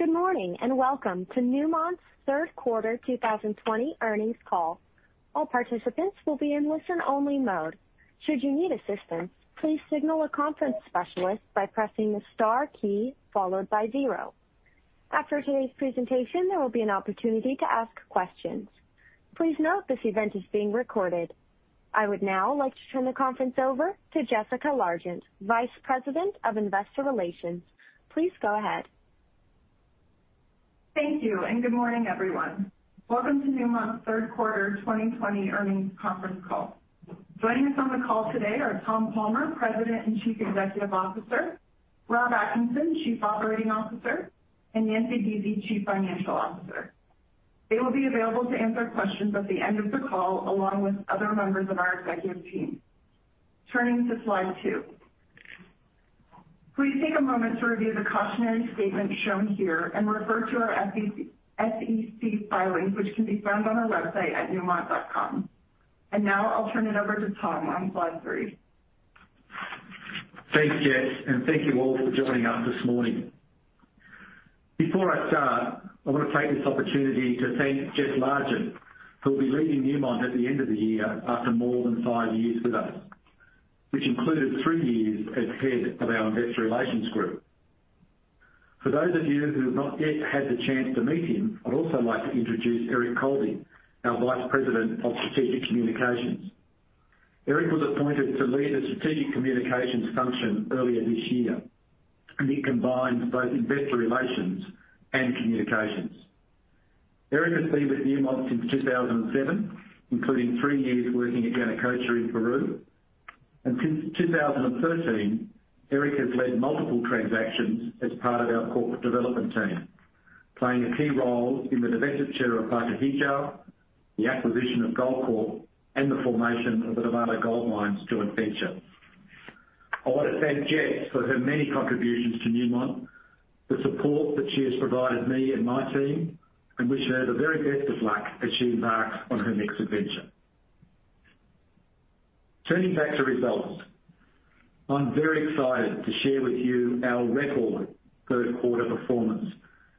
Good morning, and welcome to Newmont's third quarter 2020 earnings call. All participants will be in listen-only mode. Should you need assistance, please signal a conference specialist by pressing the star key followed by zero. After today's presentation, there will be an opportunity to ask questions. Please note this event is being recorded. I would now like to turn the conference over to Jessica Largent, Vice President of Investor Relations. Please go ahead. Thank you. Good morning, everyone. Welcome to Newmont's third quarter 2020 earnings conference call. Joining us on the call today are Tom Palmer, President and Chief Executive Officer, Rob Atkinson, Chief Operating Officer, and Nancy Buese, Chief Financial Officer. They will be available to answer questions at the end of the call, along with other members of our executive team. Turning to slide two. Please take a moment to review the cautionary statement shown here and refer to our SEC filings, which can be found on our website at newmont.com. Now I'll turn it over to Tom on slide three. Thanks, Jess. Thank you all for joining us this morning. Before I start, I want to take this opportunity to thank Jess Largent, who will be leaving Newmont at the end of the year after more than five years with us, which included three years as head of our Investor Relations group. For those of you who have not yet had the chance to meet her, I'd also like to introduce Eric Colby, our Vice President of Strategic Communications. Eric was appointed to lead the Strategic Communications function earlier this year. He combines both investor relations and communications. Eric has been with Newmont since 2007, including three years working at Yanacocha in Peru. Since 2013, Eric has led multiple transactions as part of our corporate development team, playing a key role in the divestiture of Batu Hijau, the acquisition of Goldcorp, and the formation of the Nevada Gold Mines joint venture. I want to thank Jess for her many contributions to Newmont, the support that she has provided me and my team, and wish her the very best of luck as she embarks on her next adventure. Turning back to results. I'm very excited to share with you our record third quarter performance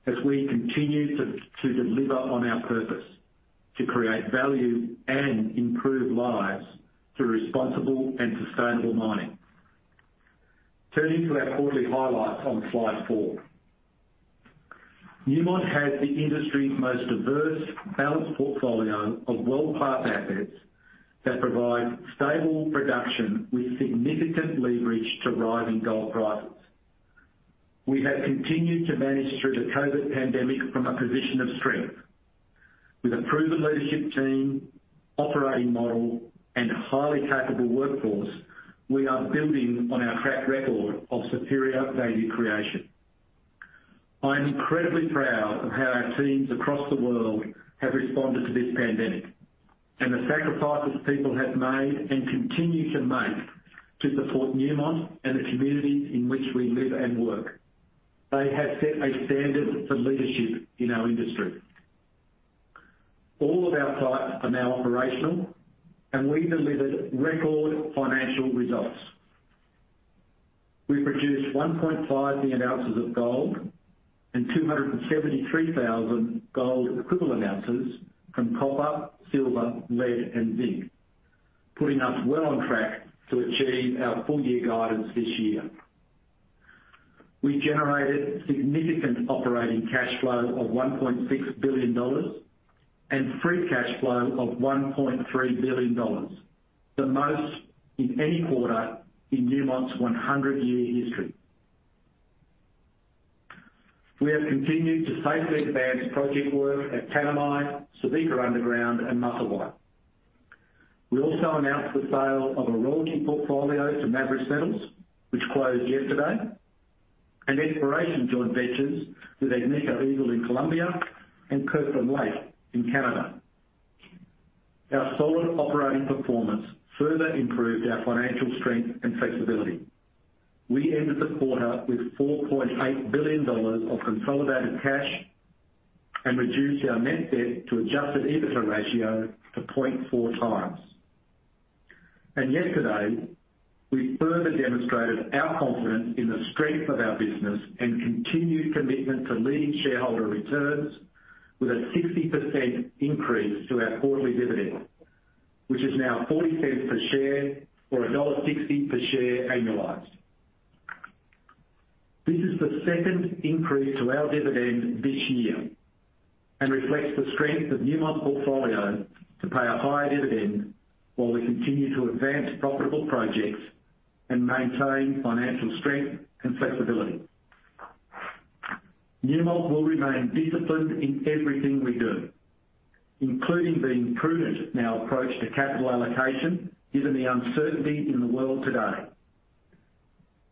as we continue to deliver on our purpose to create value and improve lives through responsible and sustainable mining. Turning to our quarterly highlights on slide four. Newmont has the industry's most diverse, balanced portfolio of well-positioned assets that provide stable production with significant leverage to rising gold prices. We have continued to manage through the COVID pandemic from a position of strength. With a proven leadership team, operating model, and highly capable workforce, we are building on our track record of superior value creation. I am incredibly proud of how our teams across the world have responded to this pandemic, and the sacrifices people have made and continue to make to support Newmont and the communities in which we live and work. They have set a standard for leadership in our industry. All of our sites are now operational, and we delivered record financial results. We produced 1.5 million ounces of gold and 273,000 gold equivalent ounces from copper, silver, lead, and zinc, putting us well on track to achieve our full-year guidance this year. We generated significant operating cash flow of $1.6 billion and free cash flow of $1.3 billion, the most in any quarter in Newmont's 100-year history. We have continued to safely advance project work at Tanami, Subika Underground, and Mustang. We also announced the sale of a royalty portfolio to Maverix Metals, which closed yesterday, and exploration joint ventures with Agnico Eagle in Colombia and Kirkland Lake in Canada. Our solid operating performance further improved our financial strength and flexibility. We ended the quarter with $4.8 billion of consolidated cash and reduced our net debt to adjusted EBITDA ratio to 0.4x. Yesterday, we further demonstrated our confidence in the strength of our business and continued commitment to leading shareholder returns with a 60% increase to our quarterly dividend, which is now $0.40 per share or $1.60 per share annualized. This is the second increase to our dividend this year and reflects the strength of Newmont portfolio to pay a higher dividend while we continue to advance profitable projects and maintain financial strength and flexibility. Newmont will remain disciplined in everything we do, including being prudent in our approach to capital allocation given the uncertainty in the world today.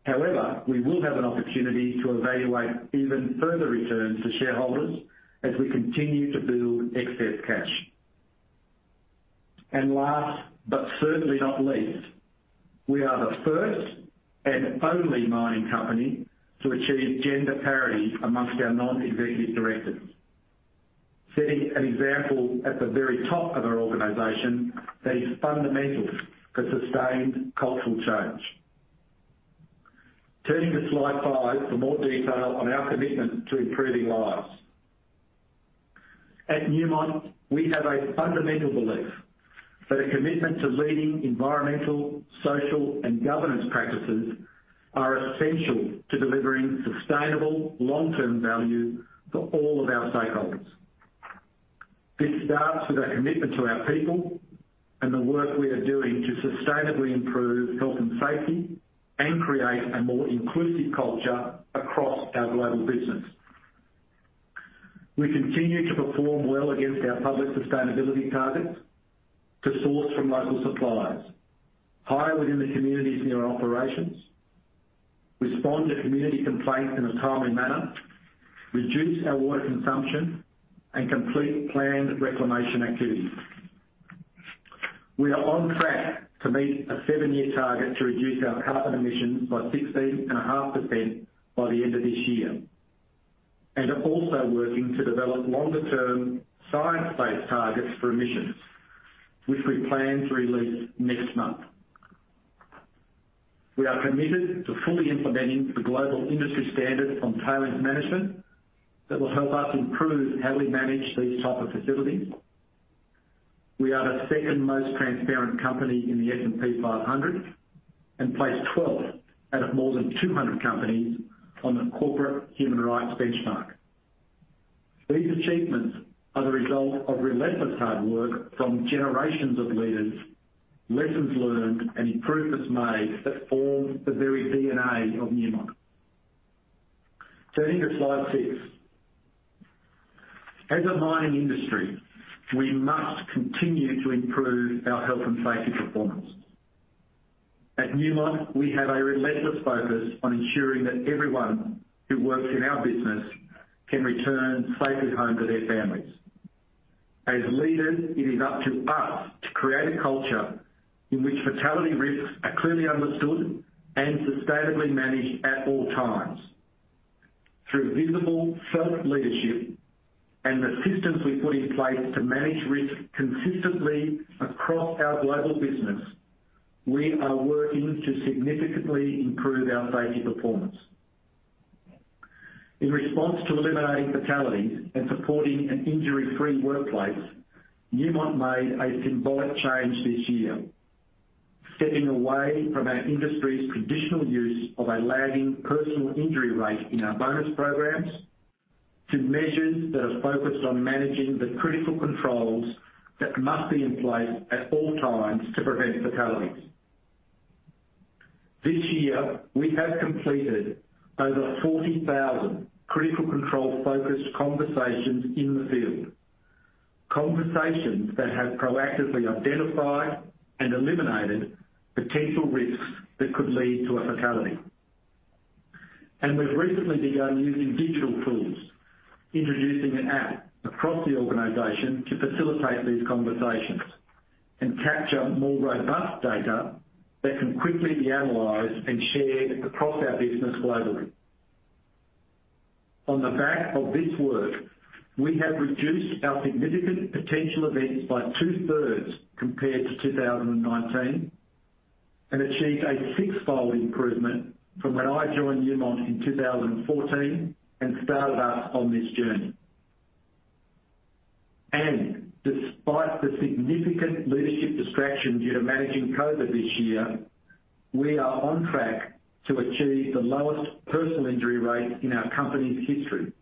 However, we will have an opportunity to evaluate even further returns to shareholders as we continue to build excess cash. Last, but certainly not least, we are the first and only mining company to achieve gender parity amongst our non-executive directors. Setting an example at the very top of our organization that is fundamental for sustained cultural change. Turning to slide five for more detail on our commitment to improving lives. At Newmont, we have a fundamental belief that a commitment to leading environmental, social, and governance practices are essential to delivering sustainable long-term value for all of our stakeholders. This starts with a commitment to our people and the work we are doing to sustainably improve health and safety and create a more inclusive culture across our global business. We continue to perform well against our public sustainability targets to source from local suppliers, hire within the communities near our operations, respond to community complaints in a timely manner, reduce our water consumption, and complete planned reclamation activities. We are on track to meet a seven-year target to reduce our carbon emissions by 16.5% by the end of this year, and are also working to develop longer-term, science-based targets for emissions, which we plan to release next month. We are committed to fully implementing the Global Industry Standard on Tailings Management that will help us improve how we manage these types of facilities. We are the second-most transparent company in the S&P 500 and placed 12th out of more than 200 companies on the Corporate Human Rights Benchmark. These achievements are the result of relentless hard work from generations of leaders, lessons learned, and improvements made that form the very DNA of Newmont. Turning to slide six. As a mining industry, we must continue to improve our health and safety performance. At Newmont, we have a relentless focus on ensuring that everyone who works in our business can return safely home to their families. As leaders, it is up to us to create a culture in which fatality risks are clearly understood and sustainably managed at all times. Through visible felt leadership and the systems we put in place to manage risk consistently across our global business, we are working to significantly improve our safety performance. In response to eliminating fatalities and supporting an injury-free workplace, Newmont made a symbolic change this year, stepping away from our industry's traditional use of a lagging personal injury rate in our bonus programs to measures that are focused on managing the critical controls that must be in place at all times to prevent fatalities. This year, we have completed over 40,000 critical control-focused conversations in the field, conversations that have proactively identified and eliminated potential risks that could lead to a fatality. We've recently begun using digital tools, introducing an app across the organization to facilitate these conversations and capture more robust data that can quickly be analyzed and shared across our business globally. On the back of this work, we have reduced our significant potential events by two-thirds compared to 2019 and achieved a six-fold improvement from when I joined Newmont in 2014 and started us on this journey. Despite the significant leadership distraction due to managing COVID this year, we are on track to achieve the lowest personal injury rate in our company's history,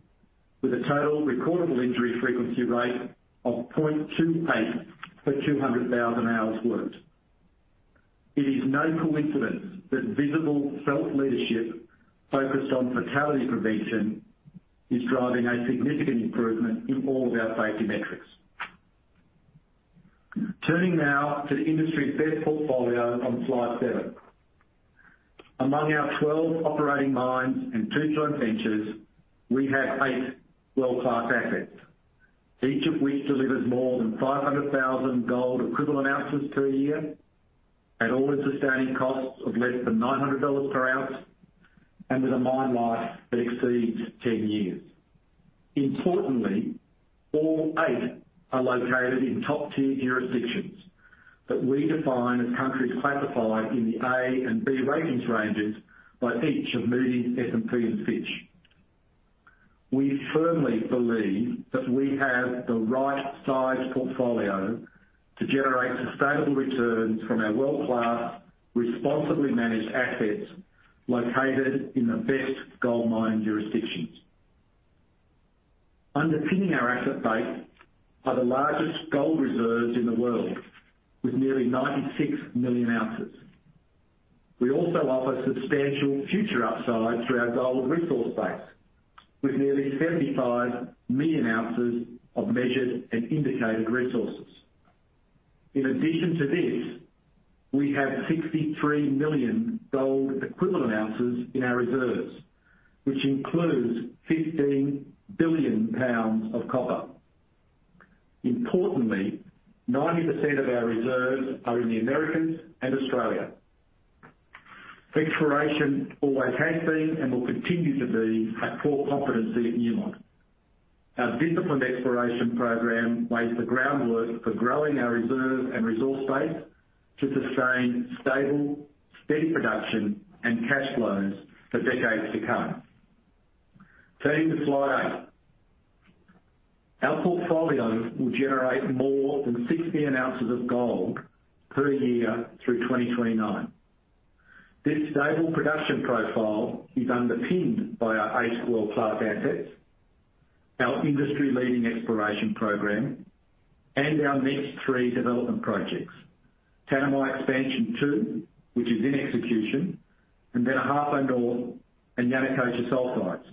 with a total recordable injury frequency rate of 0.28 per 200,000 hours worked. It is no coincidence that visible felt leadership focused on fatality prevention is driving a significant improvement in all of our safety metrics. Turning now to the industry's best portfolio on slide seven. Among our 12 operating mines and two joint ventures, we have eight world-class assets, each of which delivers more than 500,000 gold equivalent ounces per year at all-in sustaining costs of less than $900 per ounce and with a mine life that exceeds 10 years. Importantly, all eight are located in top-tier jurisdictions that we define as countries classified in the A and B ratings ranges by each of Moody's, S&P, and Fitch. We firmly believe that we have the right size portfolio to generate sustainable returns from our world-class, responsibly managed assets located in the best gold mining jurisdictions. Underpinning our asset base are the largest gold reserves in the world, with nearly 96 million ounces. We also offer substantial future upside through our gold resource base, with nearly 75 million ounces of measured and indicated resources. In addition to this, we have 63 million gold equivalent ounces in our reserves, which includes 15 billion pounds of copper. Importantly, 90% of our reserves are in the Americas and Australia. Exploration always has been and will continue to be a core competency at Newmont. Our disciplined exploration program lays the groundwork for growing our reserve and resource base to sustain stable, steady production and cash flows for decades to come. Turning to slide eight. Our portfolio will generate more than 60 ounces of gold per year through 2029. This stable production profile is underpinned by our eight world-class assets, our industry-leading exploration program, and our next three development projects. Tanami Expansion 2, which is in execution, and then Ahafo North and Yanacocha Sulfides,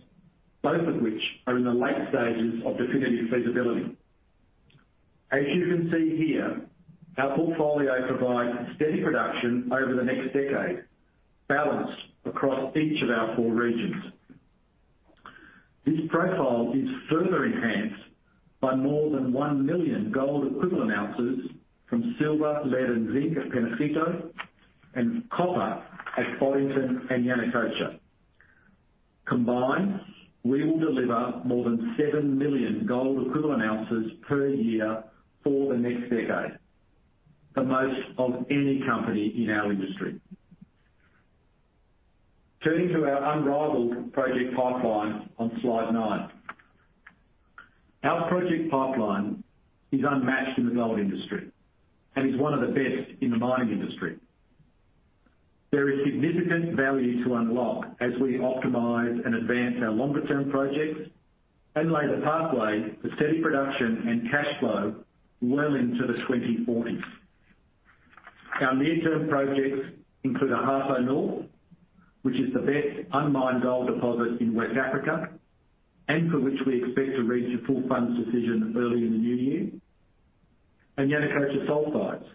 both of which are in the late stages of definitive feasibility. As you can see here, our portfolio provides steady production over the next decade, balanced across each of our four regions. This profile is further enhanced by more than 1 million gold equivalent ounces from silver, lead, and zinc at Peñasquito, and copper at Boddington and Yanacocha. Combined, we will deliver more than 7 million gold equivalent ounces per year for the next decade, the most of any company in our industry. Turning to our unrivaled project pipeline on slide nine. Our project pipeline is unmatched in the gold industry and is one of the best in the mining industry. There is significant value to unlock as we optimize and advance our longer-term projects and lay the pathway to steady production and cash flow well into the 2040s. Our near-term projects include Ahafo North, which is the best unmined gold deposit in West Africa, and for which we expect to reach a full funds decision early in the new year. Yanacocha Sulfides,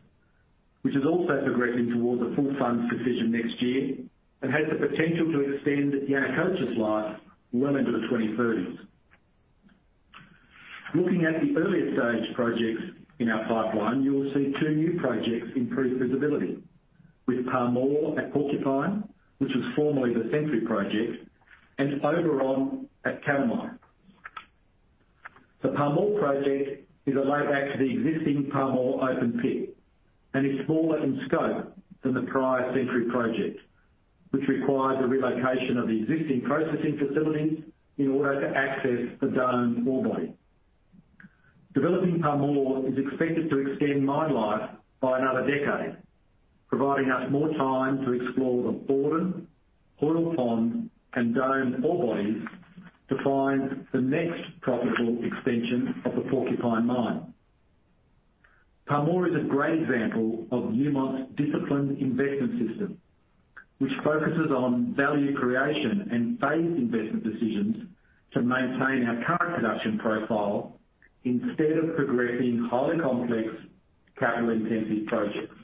which is also progressing towards a full funds decision next year and has the potential to extend Yanacocha's life well into the 2030s. Looking at the earlier stage projects in our pipeline, you will see two new projects in pre-feasibility. With Pamour at Porcupine, which was formerly the Century project, and Oberon at Tanami. The Pamour project is a layback to the existing Pamour open pit and is smaller in scope than the prior Century project, which required the relocation of the existing processing facilities in order to access the Dome ore body. Developing Pamour is expected to extend mine life by another decade, providing us more time to explore the Borden, Hoyle Pond, and Dome ore bodies to find the next profitable extension of the Porcupine mine. Pamour is a great example of Newmont's disciplined investment system, which focuses on value creation and phased investment decisions to maintain our current production profile instead of progressing highly complex, capital-intensive projects.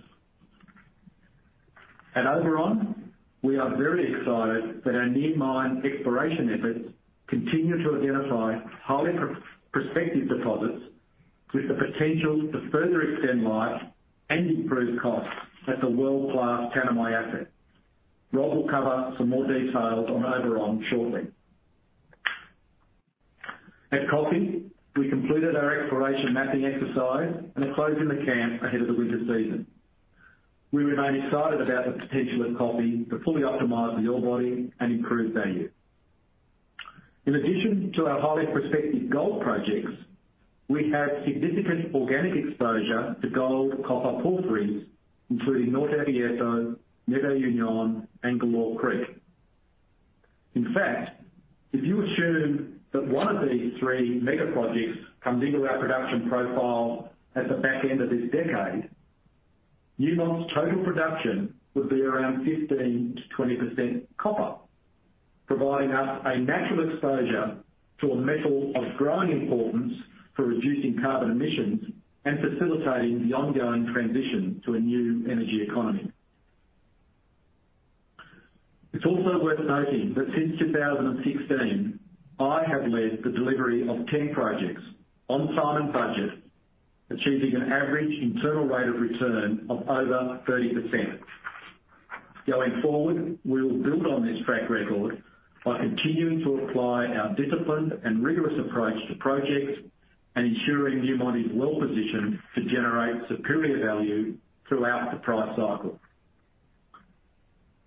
At Oberon, we are very excited that our near mine exploration efforts continue to identify highly prospective deposits with the potential to further extend life and improve costs at the world-class Tanami asset. Rob will cover some more details on Oberon shortly. At Coffee, we completed our exploration mapping exercise and are closing the camp ahead of the winter season. We remain excited about the potential at Coffee to fully optimize the ore body and improve value. In addition to our highly prospective gold projects, we have significant organic exposure to gold-copper porphyries, including Norte Abierto, NuevaUnión and Galore Creek. In fact, if you assume that one of these three mega projects comes into our production profile at the back end of this decade, Newmont's total production would be around 15%-20% copper, providing us a natural exposure to a metal of growing importance for reducing carbon emissions and facilitating the ongoing transition to a new energy economy. It's also worth noting that since 2016, I have led the delivery of 10 projects on time and budget, achieving an average internal rate of return of over 30%. Going forward, we will build on this track record by continuing to apply our disciplined and rigorous approach to projects and ensuring Newmont is well-positioned to generate superior value throughout the price cycle.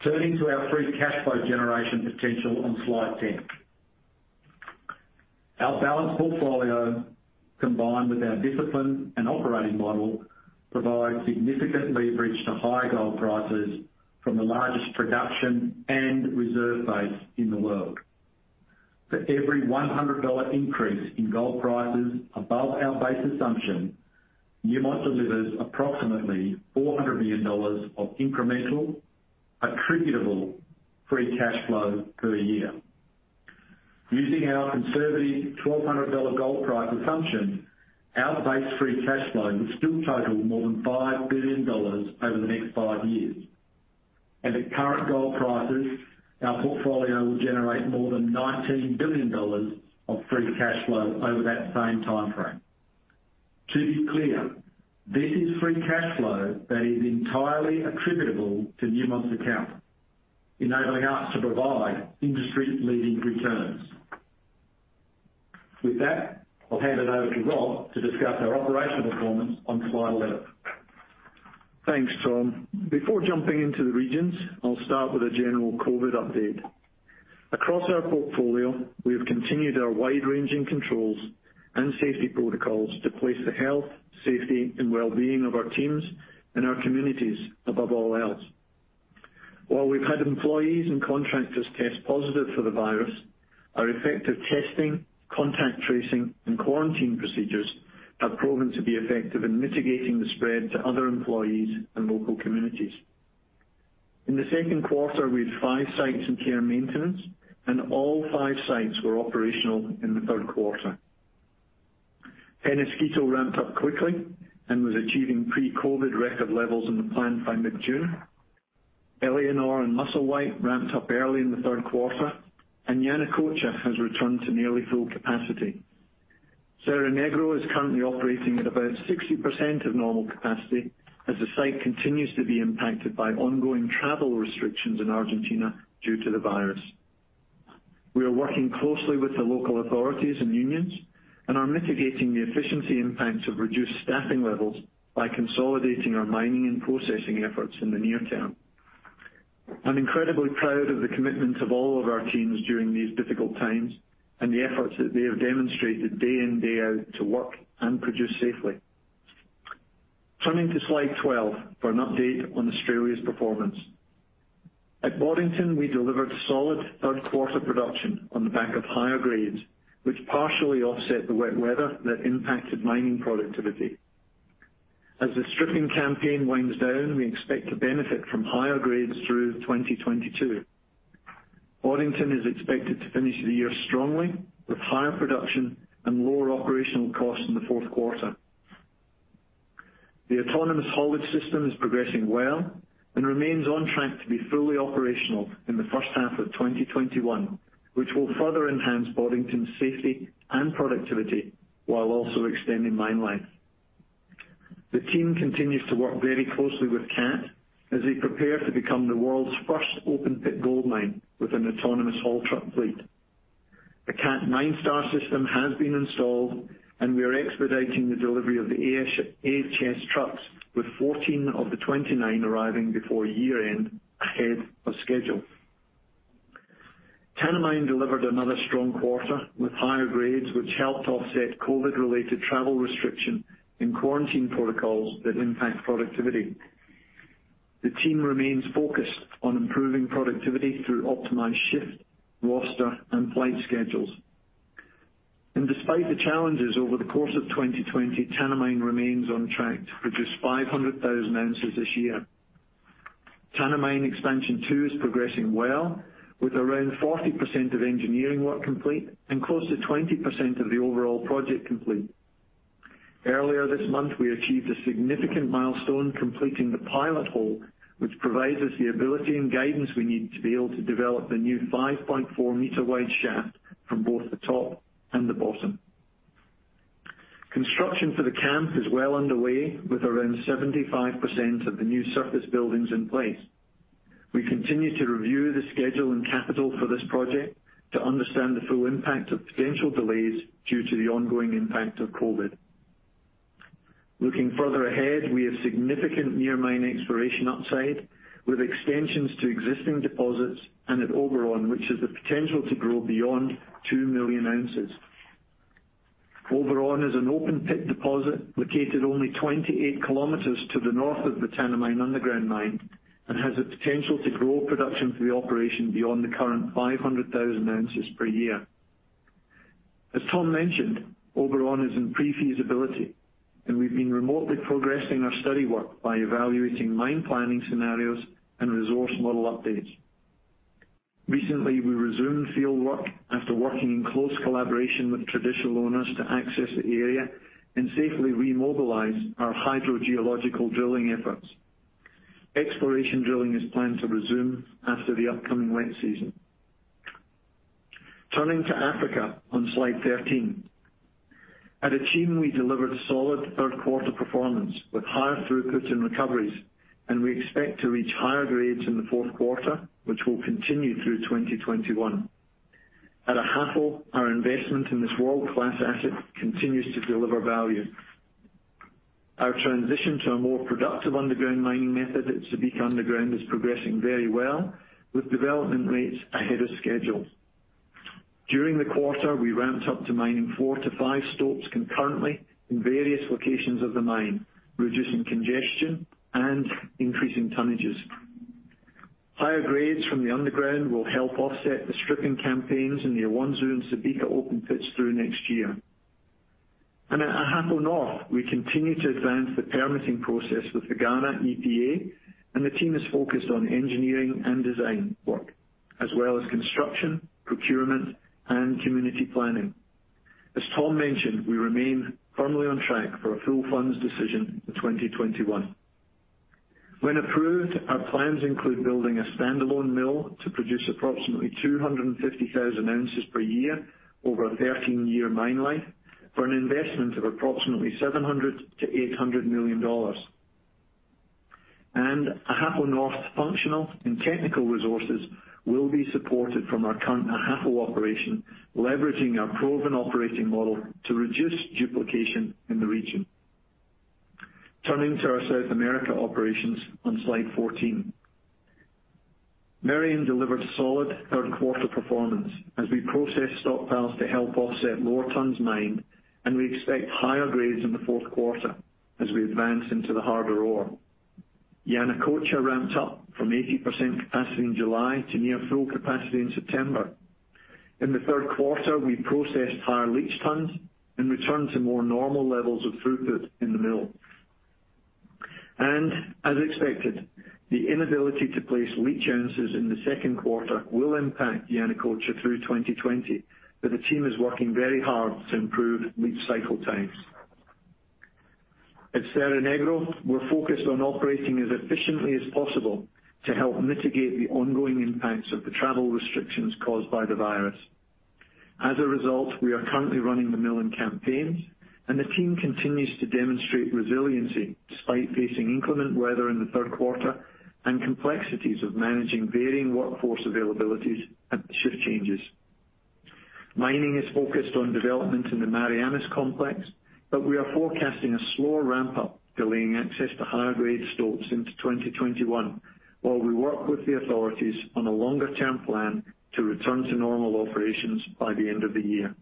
Turning to our free cash flow generation potential on slide 10. Our balanced portfolio, combined with our discipline and operating model, provide significant leverage to high gold prices from the largest production and reserve base in the world. For every $100 increase in gold prices above our base assumption, Newmont delivers approximately $400 million of incremental attributable free cash flow per year. Using our conservative $1,200 gold price assumption, our base free cash flow would still total more than $5 billion over the next five years. At current gold prices, our portfolio will generate more than $19 billion of free cash flow over that same timeframe. To be clear, this is free cash flow that is entirely attributable to Newmont's account, enabling us to provide industry-leading returns. With that, I'll hand it over to Rob to discuss our operational performance on slide 11. Thanks, Tom. Before jumping into the regions, I'll start with a general COVID update. Across our portfolio, we have continued our wide-ranging controls and safety protocols to place the health, safety, and well-being of our teams and our communities above all else. While we've had employees and contractors test positive for the virus, our effective testing, contact tracing, and quarantine procedures have proven to be effective in mitigating the spread to other employees and local communities. In the second quarter, we had five sites in care maintenance, and all five sites were operational in the third quarter. Peñasquito ramped up quickly and was achieving pre-COVID record levels in the plant by mid-June. Éléonore and Musselwhite ramped up early in the third quarter, and Yanacocha has returned to nearly full capacity. Cerro Negro is currently operating at about 60% of normal capacity as the site continues to be impacted by ongoing travel restrictions in Argentina due to the virus. We are working closely with the local authorities and unions and are mitigating the efficiency impacts of reduced staffing levels by consolidating our mining and processing efforts in the near term. I'm incredibly proud of the commitment of all of our teams during these difficult times and the efforts that they have demonstrated day in, day out to work and produce safely. Turning to slide 12 for an update on Australia's performance. At Boddington, we delivered solid third quarter production on the back of higher grades, which partially offset the wet weather that impacted mining productivity. As the stripping campaign winds down, we expect to benefit from higher grades through 2022. Boddington is expected to finish the year strongly with higher production and lower operational costs in the fourth quarter. The Autonomous Haulage System is progressing well and remains on track to be fully operational in the first half of 2021, which will further enhance Boddington's safety and productivity while also extending mine life. The team continues to work very closely with Cat as they prepare to become the world's first open pit gold mine with an autonomous haul truck fleet. The Cat MineStar system has been installed, and we are expediting the delivery of the AHS trucks with 14 of the 29 arriving before year-end, ahead of schedule. Tanami delivered another strong quarter with higher grades, which helped offset COVID-related travel restriction and quarantine protocols that impact productivity. The team remains focused on improving productivity through optimized shift, roster, and flight schedules. Despite the challenges over the course of 2020, Tanami remains on track to produce 500,000 ounces this year. Tanami Expansion 2 is progressing well, with around 40% of engineering work complete and close to 20% of the overall project complete. Earlier this month, we achieved a significant milestone, completing the pilot hole, which provides us the ability and guidance we need to be able to develop the new 5.4 m wide shaft from both the top and the bottom. Construction for the camp is well underway, with around 75% of the new surface buildings in place. We continue to review the schedule and capital for this project to understand the full impact of potential delays due to the ongoing impact of COVID. Looking further ahead, we have significant near mine exploration upside with extensions to existing deposits and at Oberon, which has the potential to grow beyond 2 million ounces. Oberon is an open pit deposit located only 28 km to the north of the Tanami underground mine and has the potential to grow production for the operation beyond the current 500,000 ounces per year. As Tom mentioned, Oberon is in pre-feasibility, and we've been remotely progressing our study work by evaluating mine planning scenarios and resource model updates. Recently, we resumed field work after working in close collaboration with traditional owners to access the area and safely remobilize our hydrogeological drilling efforts. Exploration drilling is planned to resume after the upcoming wet season. Turning to Africa on slide 13. At Akyem, we delivered solid third quarter performance with higher throughputs and recoveries, and we expect to reach higher grades in the fourth quarter, which will continue through 2021. At Ahafo, our investment in this world-class asset continues to deliver value. Our transition to a more productive underground mining method at Subika Underground is progressing very well, with development rates ahead of schedule. During the quarter, we ramped up to mining 4 to 5 stopes concurrently in various locations of the mine, reducing congestion and increasing tonnes. Higher grades from the underground will help offset the stripping campaigns in the Awonsu and Subika open pits through next year. At Ahafo North, we continue to advance the permitting process with the Ghana EPA, and the team is focused on engineering and design work, as well as construction, procurement, and community planning. As Tom mentioned, we remain firmly on track for a full funds decision in 2021. When approved, our plans include building a standalone mill to produce approximately 250,000 ounces per year over a 13-year mine life for an investment of approximately $700 million-$800 million. Ahafo North functional and technical resources will be supported from our current Ahafo operation, leveraging our proven operating model to reduce duplication in the region. Turning to our South America operations on slide 14. Merian delivered solid third quarter performance as we processed stockpiles to help offset lower tons mined, and we expect higher grades in the fourth quarter as we advance into the harder ore. Yanacocha ramped up from 80% capacity in July to near full capacity in September. In the third quarter, we processed higher leach tons and returned to more normal levels of throughput in the mill. As expected, the inability to place leach ounces in the second quarter will impact Yanacocha through 2020, but the team is working very hard to improve leach cycle times. At Cerro Negro, we're focused on operating as efficiently as possible to help mitigate the ongoing impacts of the travel restrictions caused by the virus. As a result, we are currently running the mill in campaigns, and the team continues to demonstrate resiliency despite facing inclement weather in the third quarter, and complexities of managing varying workforce availabilities and shift changes. Mining is focused on development in the Marianas complex, but we are forecasting a slower ramp-up, delaying access to higher-grade stocks into 2021 while we work with the authorities on a longer-term plan to return to normal operations by the end of the year.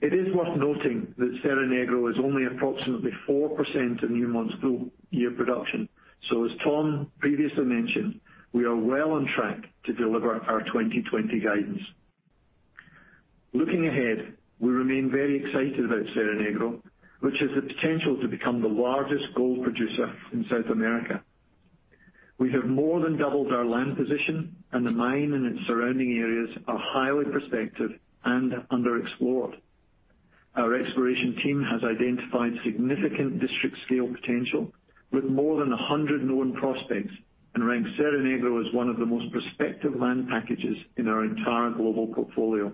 It is worth noting that Cerro Negro is only approximately 4% of Newmont's full-year production. As Tom previously mentioned, we are well on track to deliver our 2020 guidance. Looking ahead, we remain very excited about Cerro Negro, which has the potential to become the largest gold producer in South America. We have more than doubled our land position, and the mine and its surrounding areas are highly prospective and underexplored. Our exploration team has identified significant district-scale potential with more than 100 known prospects, and rank Cerro Negro as one of the most prospective land packages in our entire global portfolio.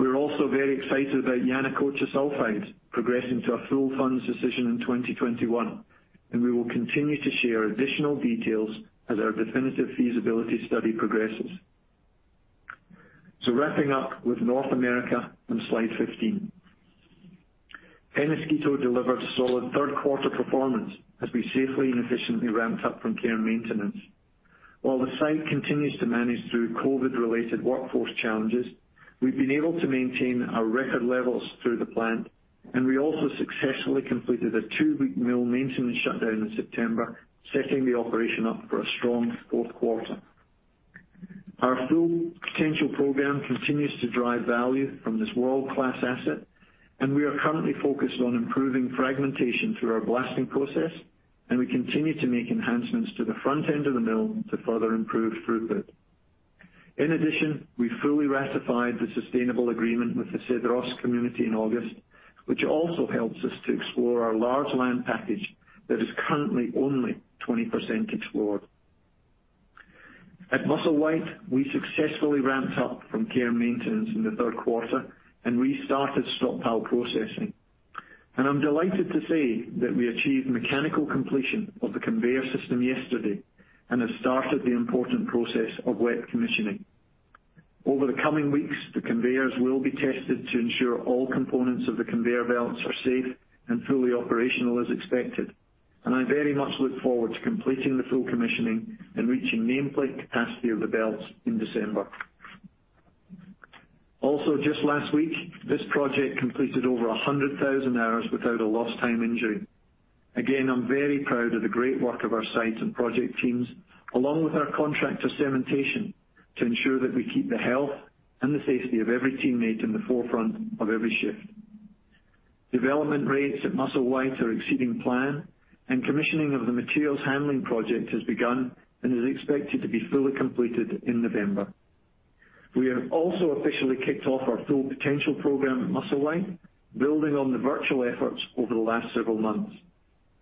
We are also very excited about Yanacocha Sulfides progressing to a full funds decision in 2021, and we will continue to share additional details as our definitive feasibility study progresses. Wrapping up with North America on slide 15. Peñasquito delivered solid third quarter performance as we safely and efficiently ramped up from care and maintenance. While the site continues to manage through COVID-related workforce challenges, we've been able to maintain our record levels through the plant, and we also successfully completed a two-week mill maintenance shutdown in September, setting the operation up for a strong fourth quarter. Our Full Potential program continues to drive value from this world-class asset, and we are currently focused on improving fragmentation through our blasting process, and we continue to make enhancements to the front end of the mill to further improve throughput. In addition, we fully ratified the sustainable agreement with the Cedros community in August, which also helps us to explore our large land package that is currently only 20% explored. At Musselwhite, we successfully ramped up from care and maintenance in the third quarter and restarted stockpile processing. I'm delighted to say that we achieved mechanical completion of the conveyor system yesterday and have started the important process of wet commissioning. Over the coming weeks, the conveyors will be tested to ensure all components of the conveyor belts are safe and fully operational as expected, and I very much look forward to completing the full commissioning and reaching nameplate capacity of the belts in December. Just last week, this project completed over 100,000 hours without a lost time injury. I'm very proud of the great work of our site and project teams, along with our contractor, Cementation, to ensure that we keep the health and the safety of every teammate in the forefront of every shift. Development rates at Musselwhite are exceeding plan. Commissioning of the materials handling project has begun and is expected to be fully completed in November. We have also officially kicked off our Full Potential program at Musselwhite, building on the virtual efforts over the last several months.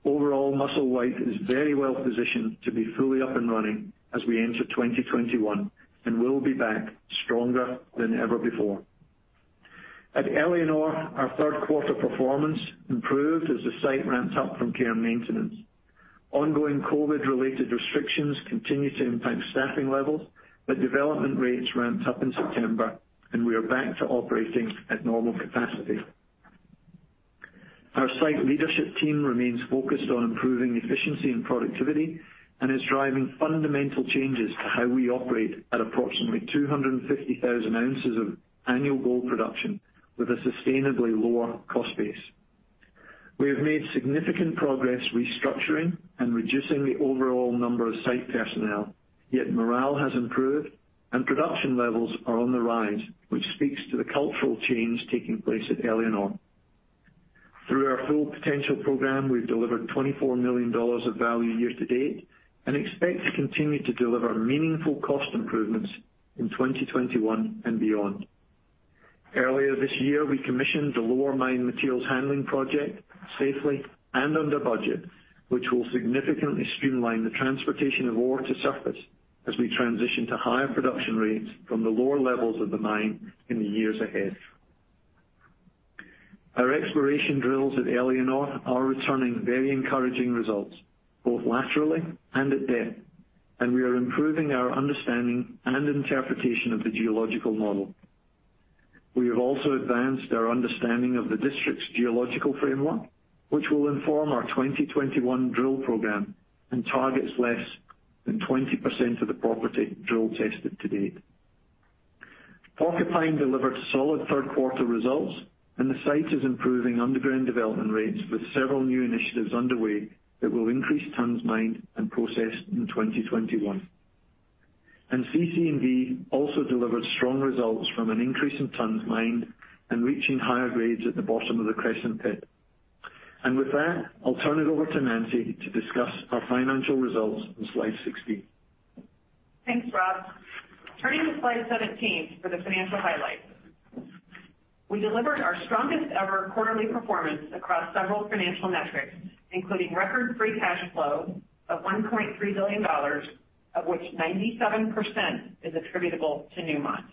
Overall, Musselwhite is very well positioned to be fully up and running as we enter 2021, and will be back stronger than ever before. At Éléonore, our third quarter performance improved as the site ramped up from care and maintenance. Ongoing COVID-related restrictions continue to impact staffing levels, but development rates ramped up in September, and we are back to operating at normal capacity. Our site leadership team remains focused on improving efficiency and productivity, and is driving fundamental changes to how we operate at approximately 250,000 ounces of annual gold production with a sustainably lower cost base. We have made significant progress restructuring and reducing the overall number of site personnel, yet morale has improved, and production levels are on the rise, which speaks to the cultural change taking place at Éléonore. Through our Full Potential program, we've delivered $24 million of value year to date and expect to continue to deliver meaningful cost improvements in 2021 and beyond. Earlier this year, we commissioned the lower mine materials handling project safely and under budget, which will significantly streamline the transportation of ore to surface as we transition to higher production rates from the lower levels of the mine in the years ahead. Our exploration drills at Éléonore are returning very encouraging results, both laterally and at depth, and we are improving our understanding and interpretation of the geological model. We have also advanced our understanding of the district's geological framework, which will inform our 2021 drill program and targets less than 20% of the property drill tested to date. Porcupine delivered solid third quarter results, the site is improving underground development rates with several new initiatives underway that will increase tonnes mined and processed in 2021. CC&V also delivered strong results from an increase in tonnes mined and reaching higher grades at the bottom of the Cresson Pit. With that, I'll turn it over to Nancy to discuss our financial results on slide 16. Thanks, Rob. Turning to slide 17 for the financial highlights. We delivered our strongest ever quarterly performance across several financial metrics, including record free cash flow of $1.3 billion, of which 97% is attributable to Newmont.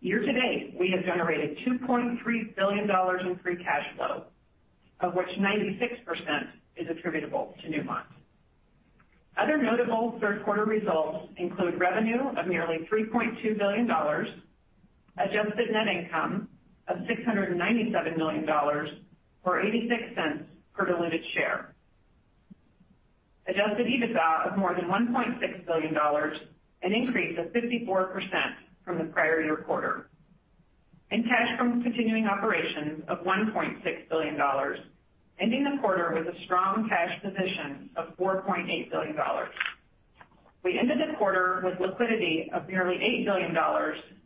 Year to date, we have generated $2.3 billion in free cash flow, of which 96% is attributable to Newmont. Other notable third quarter results include revenue of nearly $3.2 billion, adjusted net income of $697 million, or $0.86 per diluted share. Adjusted EBITDA of more than $1.6 billion, an increase of 54% from the prior year quarter. Cash from continuing operations of $1.6 billion, ending the quarter with a strong cash position of $4.8 billion. We ended the quarter with liquidity of nearly $8 billion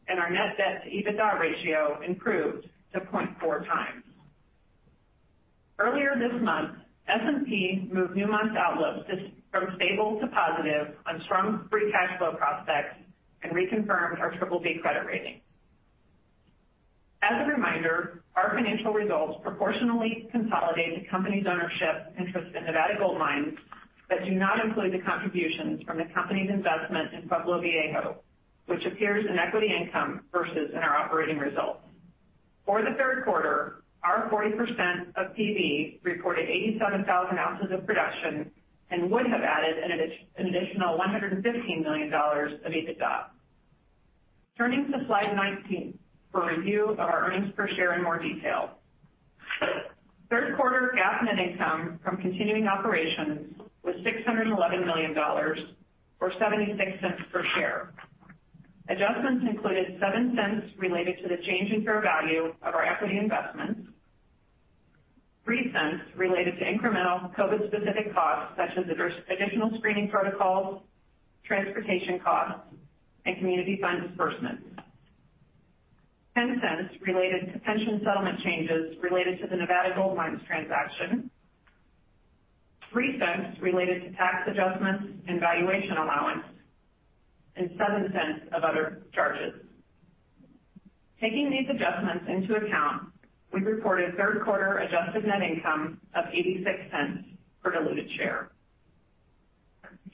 and our net debt to EBITDA ratio improved to 0.4x. Earlier this month, S&P moved Newmont's outlook from stable to positive on strong free cash flow prospects and reconfirmed our BBB credit rating. A reminder, our financial results proportionally consolidate the company's ownership interest in Nevada Gold Mines, but do not include the contributions from the company's investment in Pueblo Viejo, which appears in equity income versus in our operating results. For the third quarter, our 40% of PV reported 87,000 ounces of production and would have added an additional $115 million of EBITDA. Turning to slide 19 for a review of our earnings per share in more detail. Third quarter GAAP net income from continuing operations was $611 million or $0.76 per share. Adjustments included $0.07 related to the change in fair value of our equity investments, $0.03 related to incremental COVID-specific costs such as additional screening protocols, transportation costs, and community fund disbursements. $0.10 related to pension settlement changes related to the Nevada Gold Mines transaction, $0.03 related to tax adjustments and valuation allowance, and $0.07 of other charges. Taking these adjustments into account, we reported third quarter adjusted net income of $0.86 per diluted share.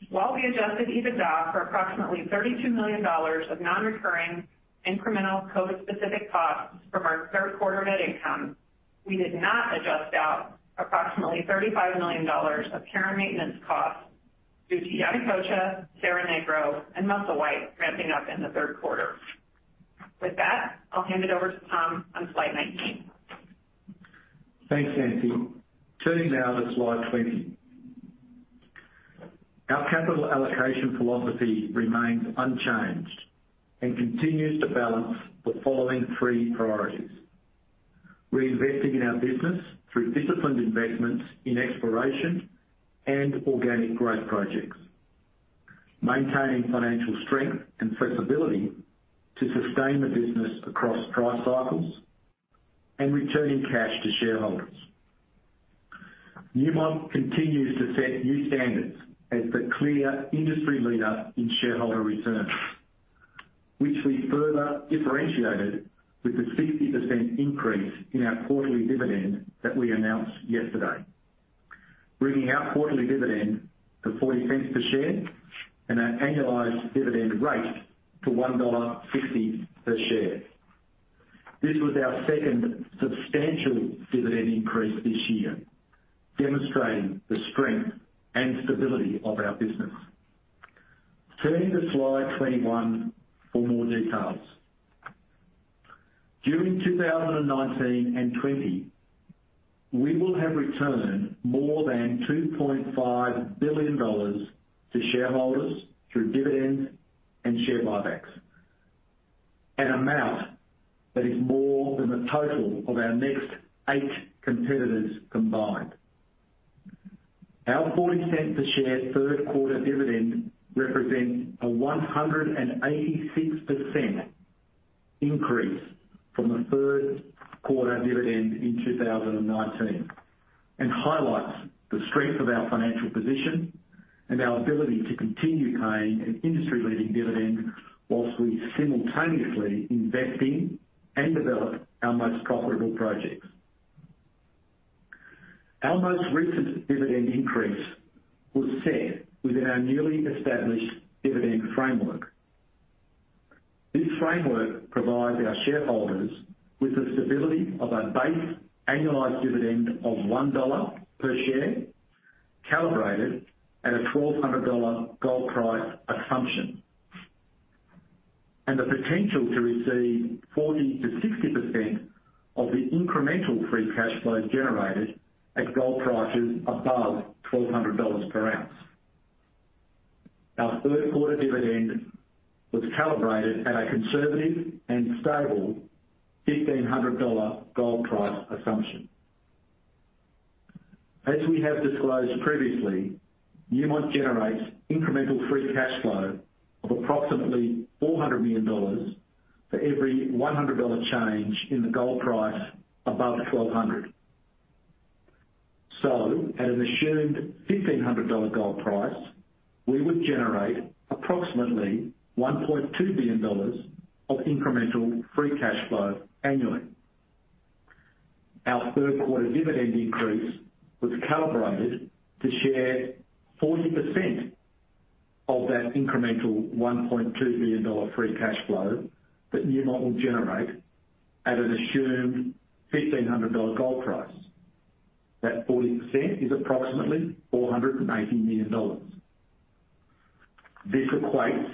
While we adjusted EBITDA for approximately $32 million of non-recurring incremental COVID-specific costs from our third quarter net income, we did not adjust out approximately $35 million of care and maintenance costs due to Yanacocha, Cerro Negro, and Musselwhite ramping up in the third quarter. With that, I'll hand it over to Tom on slide 19. Thanks, Nancy. Turning now to slide 20. Our capital allocation philosophy remains unchanged and continues to balance the following three priorities. Reinvesting in our business through disciplined investments in exploration and organic growth projects, maintaining financial strength and flexibility to sustain the business across price cycles, and returning cash to shareholders. Newmont continues to set new standards as the clear industry leader in shareholder returns, which we further differentiated with the 60% increase in our quarterly dividend that we announced yesterday, bringing our quarterly dividend to $0.40 per share and our annualized dividend rate to $1.50 per share. This was our second substantial dividend increase this year, demonstrating the strength and stability of our business. Turning to slide 21 for more details. During 2019 and 2020, we will have returned more than $2.5 billion to shareholders through dividends and share buybacks, an amount that is more than the total of our next eight competitors combined. Our $0.40 a share third quarter dividend represents a 186% increase from the first. Quarter dividend in 2019 and highlights the strength of our financial position and our ability to continue paying an industry-leading dividend whilst we simultaneously invest in and develop our most profitable projects. Our most recent dividend increase was set within our newly established dividend framework. This framework provides our shareholders with the stability of a base annualized dividend of $1 per share, calibrated at a $1,200 gold price assumption, and the potential to receive 40%-60% of the incremental free cash flows generated at gold prices above $1,200 per ounce. Our third quarter dividend was calibrated at a conservative and stable $1,500 gold price assumption. As we have disclosed previously, Newmont generates incremental free cash flow of approximately $400 million for every $100 change in the gold price above $1,200. At an assumed $1,500 gold price, we would generate approximately $1.2 billion of incremental free cash flow annually. Our third quarter dividend increase was calibrated to share 40% of that incremental $1.2 billion free cash flow that Newmont will generate at an assumed $1,500 gold price. That 40% is approximately $480 million. This equates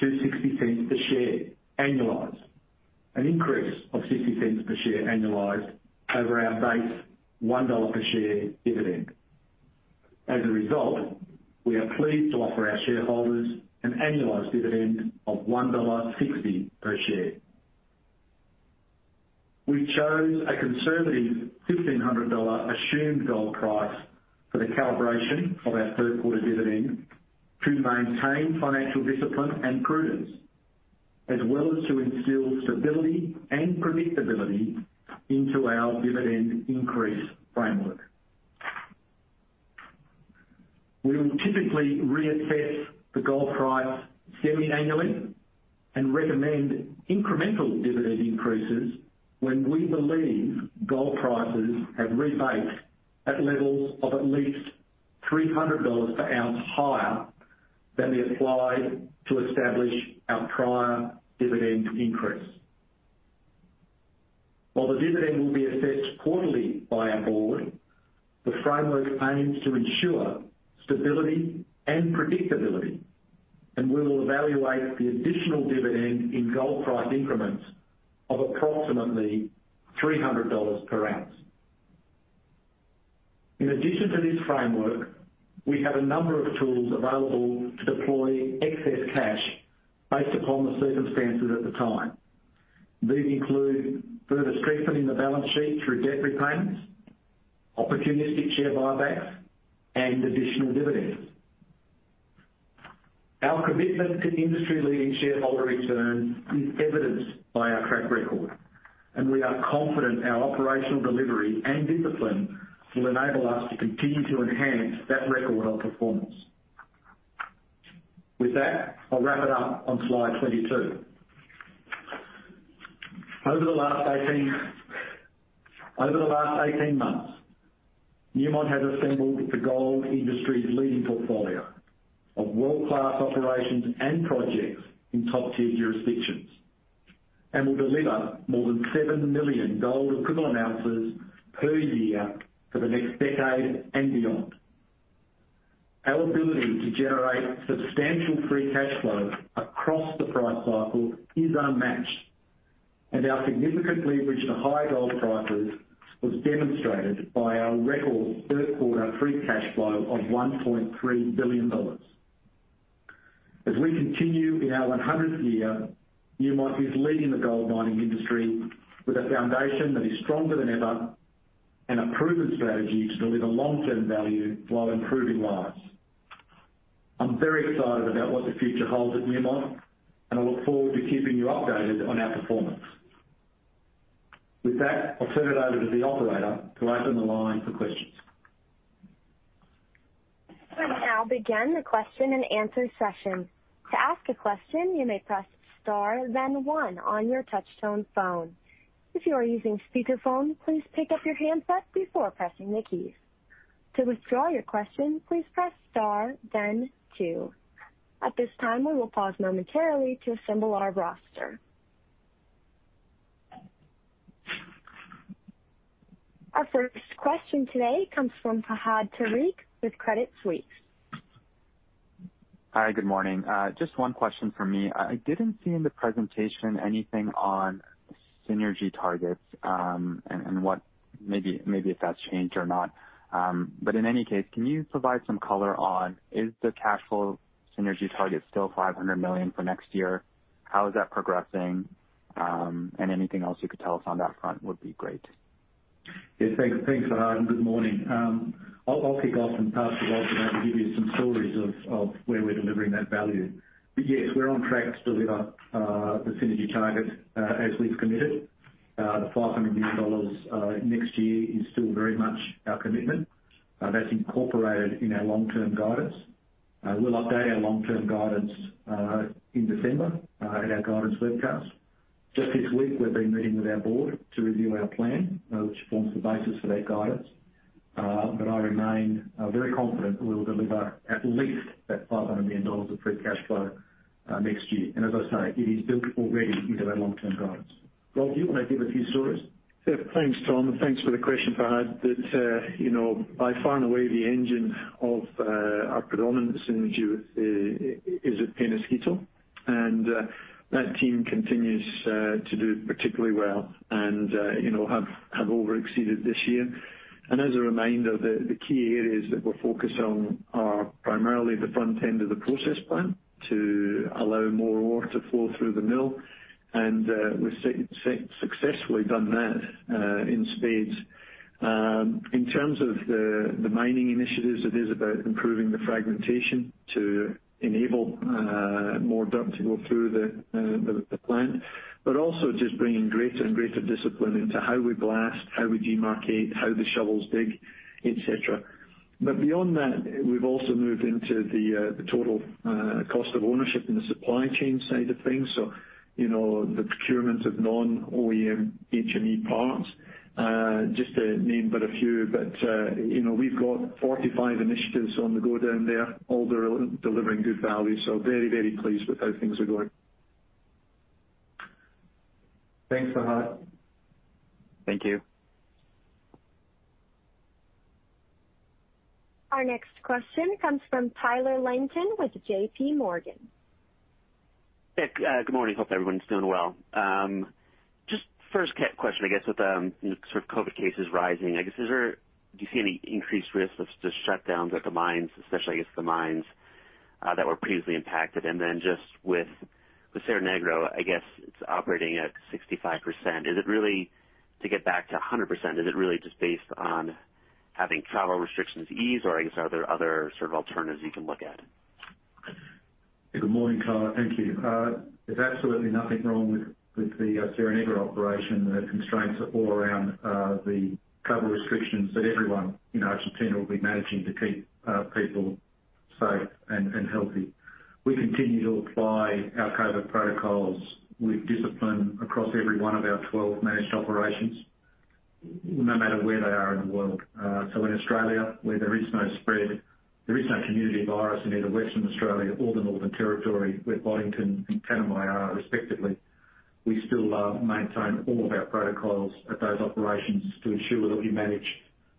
to $0.60 per share annualized, an increase of $0.60 per share annualized over our base $1 per share dividend. As a result, we are pleased to offer our shareholders an annualized dividend of $1.60 per share. We chose a conservative $1,500 assumed gold price for the calibration of our third quarter dividend to maintain financial discipline and prudence, as well as to instill stability and predictability into our dividend increase framework. We will typically reassess the gold price semi-annually and recommend incremental dividend increases when we believe gold prices have rebased at levels of at least $300 per ounce higher than we applied to establish our prior dividend increase. While the dividend will be assessed quarterly by our board, the framework aims to ensure stability and predictability, and we will evaluate the additional dividend in gold price increments of approximately $300 per ounce. In addition to this framework, we have a number of tools available to deploy excess cash based upon the circumstances at the time. These include further strengthening the balance sheet through debt repayments, opportunistic share buybacks, and additional dividends. Our commitment to industry-leading shareholder returns is evidenced by our track record, and we are confident our operational delivery and discipline will enable us to continue to enhance that record of performance. With that, I'll wrap it up on slide 22. Over the last 18 months, Newmont has assembled the gold industry's leading portfolio of world-class operations and projects in top-tier jurisdictions and will deliver more than 7 million gold equivalent ounces per year for the next decade and beyond. Our ability to generate substantial free cash flow across the price cycle is unmatched, and our significant leverage to high gold prices was demonstrated by our record third quarter free cash flow of $1.3 billion. As we continue in our 100th year, Newmont is leading the gold mining industry with a foundation that is stronger than ever and a proven strategy to deliver long-term value while improving lives. I'm very excited about what the future holds at Newmont, and I look forward to keeping you updated on our performance. With that, I'll turn it over to the operator to open the line for questions. We now begin the question and answer session. To ask a question, you may press star then one on your touchtone phone. If you are using speakerphone, please pick up your handset before pressing the keys. To withdraw your question, please press star then two. At this time, we will pause momentarily to assemble our roster. Our first question today comes from Fahad Tariq with Credit Suisse. Hi, good morning. Just one question from me. I didn't see in the presentation anything on synergy targets, and maybe if that's changed or not. In any case, can you provide some color on, is the cash flow synergy target still $500 million for next year? How is that progressing? Anything else you could tell us on that front would be great. Yeah, thanks, Fahad, and good morning. I'll kick off and pass to Rob to maybe give you some stories of where we're delivering that value. Yes, we're on track to deliver the synergy target as we've committed. The $500 million next year is still very much our commitment. That's incorporated in our long-term guidance. We'll update our long-term guidance in December at our guidance webcast. Just this week, we've been meeting with our board to review our plan, which forms the basis for that guidance. I remain very confident that we'll deliver at least that $500 million of free cash flow next year. As I say, it is built already into our long-term guidance. Rob, do you want to give a few stories? Yeah. Thanks, Tom, and thanks for the question, Fahad. By far and away, the engine of our predominant synergy is at Peñasquito, and that team continues to do particularly well and have over exceeded this year. As a reminder, the key areas that we're focused on are primarily the front end of the process plant to allow more ore to flow through the mill, and we've successfully done that in spades. In terms of the mining initiatives, it is about improving the fragmentation to enable more dirt to go through the plant. Also just bringing greater and greater discipline into how we blast, how we demarcate, how the shovels dig, et cetera. Beyond that, we've also moved into the total cost of ownership in the supply chain side of things, so the procurement of non-OEM HME parts, just to name but a few. We've got 45 initiatives on the go down there, all delivering good value. Very, very pleased with how things are going. Thanks, Fahad. Thank you. Our next question comes from Tyler Langton with JPMorgan. Good morning. Hope everyone's doing well. Just first question, I guess, with sort of COVID cases rising, I guess, do you see any increased risk of just shutdowns at the mines, especially, I guess, the mines that were previously impacted? Then just with Cerro Negro, I guess it's operating at 65%. To get back to 100%, is it really just based on having travel restrictions ease, or I guess, are there other sort of alternatives you can look at? Good morning, Tyler. Thank you. There's absolutely nothing wrong with the Cerro Negro operation. The constraints are all around the travel restrictions that everyone in Argentina will be managing to keep people safe and healthy. We continue to apply our COVID protocols with discipline across every one of our 12 managed operations, no matter where they are in the world. In Australia, where there is no spread, there is no community virus in either Western Australia or the Northern Territory, where Boddington and Tanami are respectively. We still maintain all of our protocols at those operations to ensure that we manage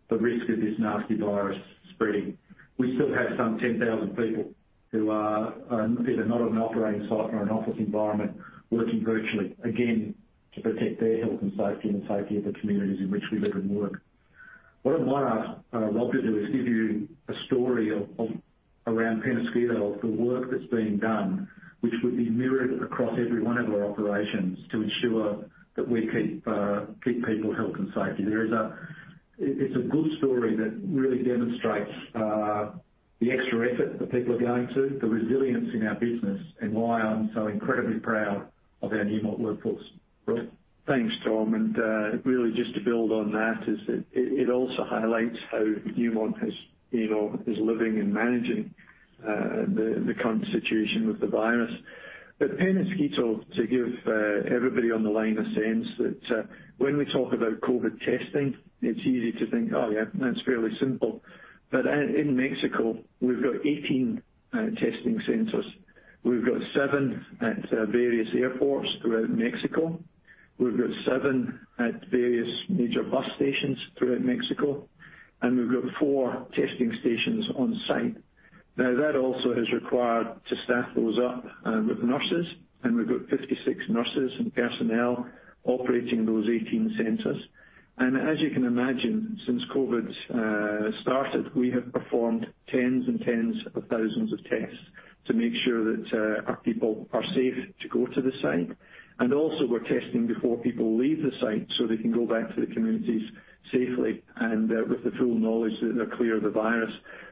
the risk of this nasty virus spreading. We still have some 10,000 people who are either not at an operating site or an office environment, working virtually, again, to protect their health and safety and the safety of the communities in which we live and work. What I might ask Rob to do is give you a story around Peñasquito of the work that's being done, which would be mirrored across every one of our operations to ensure that we keep people health and safety. It's a good story that really demonstrates the extra effort that people are going to, the resilience in our business, and why I'm so incredibly proud of our Newmont workforce. Rob? Thanks, Tom. Really just to build on that, is it also highlights how Newmont is living and managing the current situation with the virus. Peñasquito, to give everybody on the line a sense that when we talk about COVID testing, it's easy to think, oh, yeah, that's fairly simple. In Mexico, we've got 18 testing centers. We've got seven at various airports throughout Mexico. We've got seven at various major bus stations throughout Mexico, and we've got four testing stations on-site. Now, that also has required to staff those up with nurses, and we've got 56 nurses and personnel operating those 18 centers. As you can imagine, since COVID started, we have performed tens and tens of thousands of tests to make sure that our people are safe to go to the site. Also we're testing before people leave the site so they can go back to the communities safely and with the full knowledge that they're clear of the virus.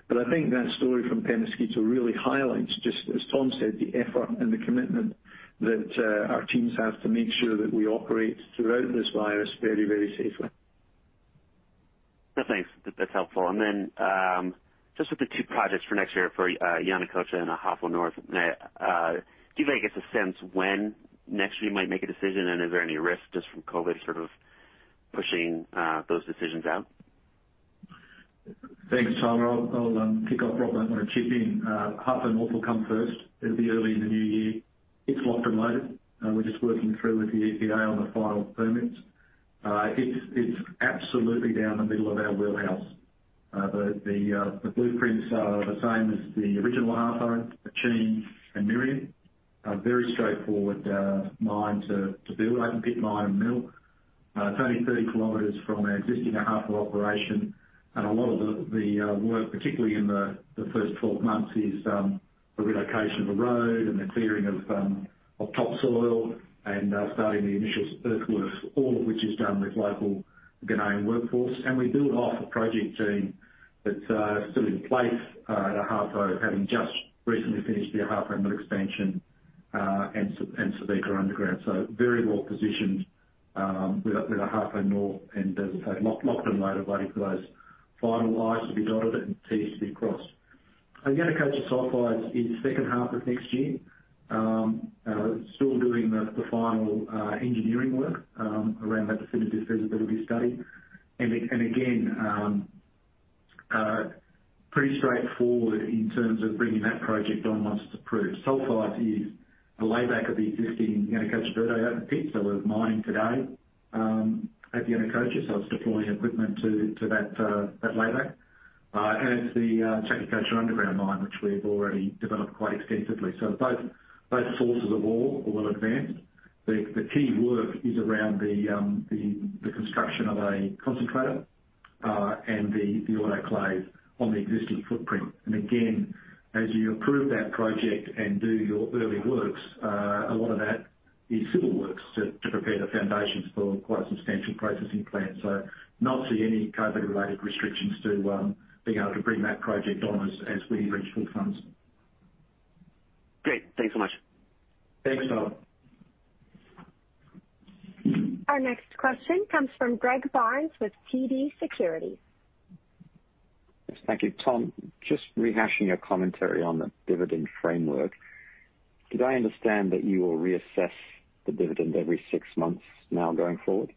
I think that story from Peñasquito really highlights, just as Tom said, the effort and the commitment that our teams have to make sure that we operate throughout this virus very, very safely. No, thanks. That's helpful. Just with the two projects for next year for Yanacocha and Ahafo North, do you have, I guess, a sense when next we might make a decision? Is there any risk just from COVID sort of pushing those decisions out? Thanks, Tyler. I'll kick off. Rob might want to chip in. Ahafo North will come first. It'll be early in the new year. It's locked and loaded. We're just working through with the EPA on the final permits. It's absolutely down the middle of our wheelhouse. The blueprints are the same as the original Ahafo, Akyem and Merian. A very straightforward mine to build. Open pit mine and mill. It's only 30 km from our existing Ahafo operation, and a lot of the work, particularly in the first 12 months, is the relocation of a road and the clearing of topsoil and starting the initial earthworks, all of which is done with local Ghanaian workforce. We build off a project team that's still in place at Ahafo, having just recently finished the Ahafo Mill Expansion and Subika Underground. Very well positioned with Ahafo North and, as I say, locked and loaded, waiting for those final Is to be dotted and Ts to be crossed. Yanacocha Sulfides is second half of next year. Still doing the final engineering work around that feasibility study. Again, pretty straightforward in terms of bringing that project on once it's approved. Sulfides is a layback of the existing Yanacocha Verde open pit that we're mining today at Yanacocha, so it's deploying equipment to that layback. It's the Chaquicocha Underground Mine, which we've already developed quite extensively. Both sources of ore are well advanced. The key work is around the construction of a concentrator, and the autoclave on the existing footprint. Again, as you approve that project and do your early works, a lot of that is civil works to prepare the foundations for quite a substantial processing plant. Not see any COVID-related restrictions to being able to bring that project on as we reach full funds. Great. Thanks so much. Thanks, Tyler. Our next question comes from Greg Barnes with TD Securities. Yes. Thank you. Tom, just rehashing your commentary on the dividend framework, did I understand that you will reassess the dividend every six months now going forward,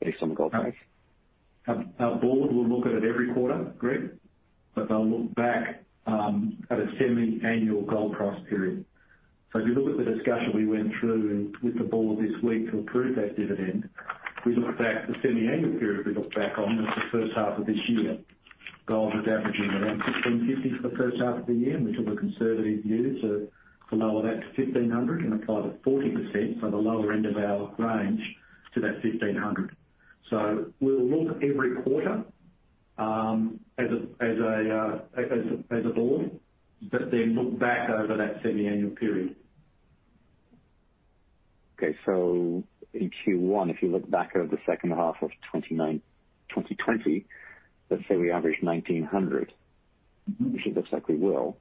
based on the gold price? Our board will look at it every quarter, Greg. They'll look back at a semi-annual gold price period. If you look at the discussion we went through with the board this week to approve that dividend, the semi-annual period we looked back on was the first half of this year. Gold was averaging around $1,650 for the first half of the year. We took a conservative view to lower that to $1,500 and apply the 40%, so the lower end of our range to that $1,500. We'll look every quarter as a board, but then look back over that semi-annual period. Okay. In Q1, if you look back over the second half of 2020, let's say we averaged $1,900 Which it looks like we will,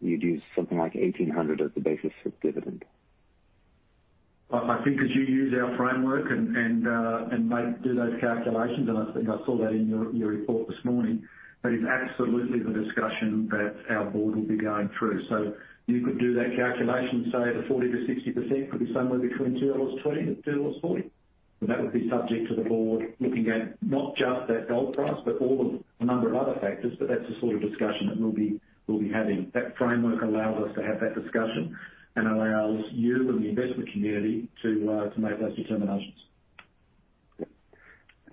you'd use something like $1,800 as the basis for dividend. I think as you use our framework and do those calculations, and I think I saw that in your report this morning, that is absolutely the discussion that our board will be going through. You could do that calculation, say the 40%-60% could be somewhere between $2.20-$2.40, and that would be subject to the board looking at not just that gold price, but all of a number of other factors, but that's the sort of discussion that we'll be having. That framework allows us to have that discussion and allows you and the investment community to make those determinations.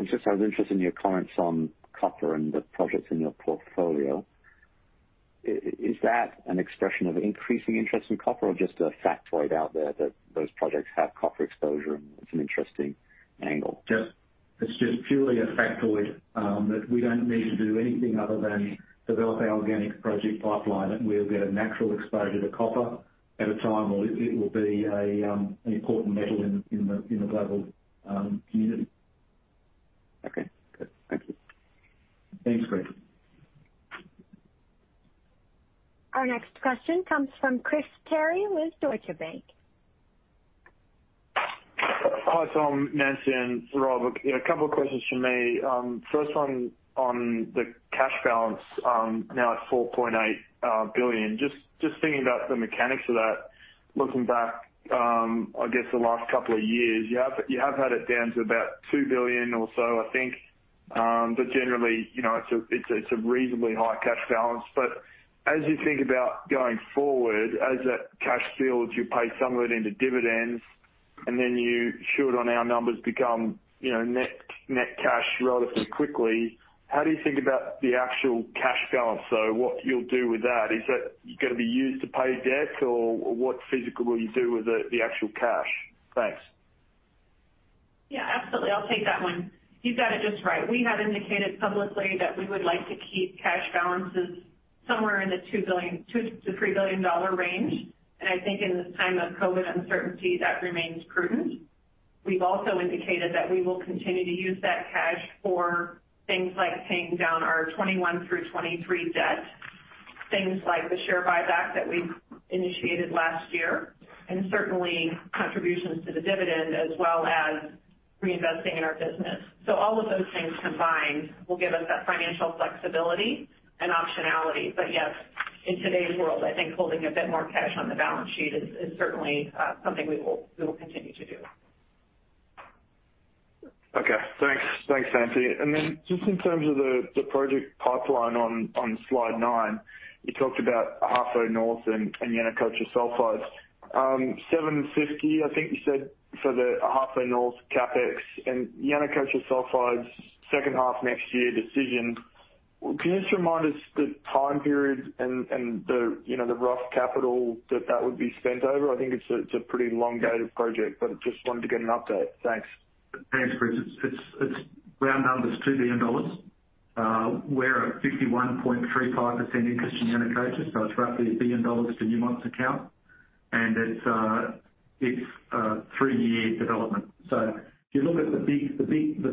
Just I was interested in your comments on copper and the projects in your portfolio. Is that an expression of increasing interest in copper or just a factoid out there that those projects have copper exposure, and it's an interesting angle? It's just purely a factoid, that we don't need to do anything other than develop our organic project pipeline, and we'll get a natural exposure to copper at a time where it will be an important metal in the global community. Okay, good. Thank you. Thanks, Greg. Our next question comes from Chris Terry with Deutsche Bank. Hi, Tom, Nancy, and Rob. A couple of questions from me. First one on the cash balance now at $4.8 billion. Just thinking about the mechanics of that, looking back, I guess the last couple of years, you have had it down to about $2 billion or so, I think. Generally, it's a reasonably high cash balance. As you think about going forward, as that cash builds, you pay some of it into dividends, and then you should, on our numbers, become net cash relatively quickly. How do you think about the actual cash balance, though? What you'll do with that? Is that going to be used to pay debt, or what physically will you do with the actual cash? Thanks. Yeah, absolutely. I'll take that one. You've got it just right. We have indicated publicly that we would like to keep cash balances somewhere in the $2 billion-$3 billion range. I think in this time of COVID uncertainty, that remains prudent. We've also indicated that we will continue to use that cash for things like paying down our 2021 through 2023 debt, things like the share buyback that we initiated last year, and certainly contributions to the dividend as well as reinvesting in our business. All of those things combined will give us that financial flexibility and optionality. Yes, in today's world, I think holding a bit more cash on the balance sheet is certainly something we will continue to do. Okay. Thanks, Nancy. Just in terms of the project pipeline on slide nine, you talked about Ahafo North and Yanacocha Sulfides. $750 million, I think you said for the Ahafo North CapEx and Yanacocha Sulfides second half next year decision. Can you just remind us the time period and the rough capital that would be spent over? I think it's a pretty elongated project, but just wanted to get an update. Thanks. Thanks, Chris. It's round numbers, $2 billion. We're at 51.35% interest in Yanacocha, so it's roughly $1 billion to Newmont's account. It's a three-year development. If you look at the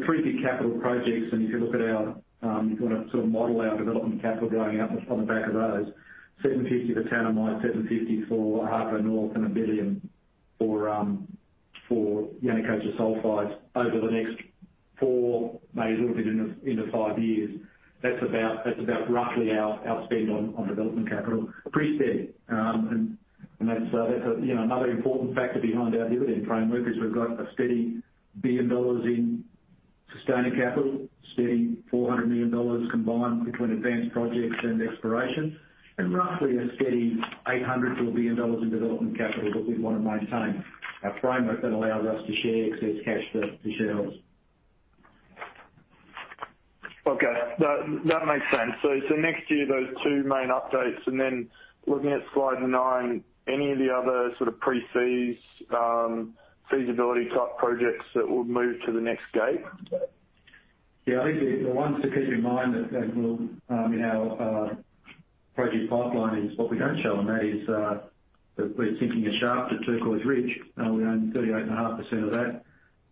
three big capital projects and if you want to model our development capital going out on the back of those, $750 million for Tanami, $750 million for Ahafo North, and $1 billion for Yanacocha Sulfides over the next four, maybe a little bit into five years. That's about roughly our spend on development capital. Pretty steady. That's another important factor behind our dividend framework, is we've got a steady $1 billion in sustaining capital, a steady $400 million combined between advanced projects and exploration, and roughly a steady $800 million to $1 billion in development capital that we want to maintain. Our framework then allows us to share excess cash to shareholders. Okay. That makes sense. Next year, those two main updates, and then looking at slide nine, any of the other pre-feasibility type projects that will move to the next gate? I think the ones to keep in mind that will, in our project pipeline, is what we don't show on that is that we're sinking a shaft at Turquoise Ridge. We own 38.5% of that.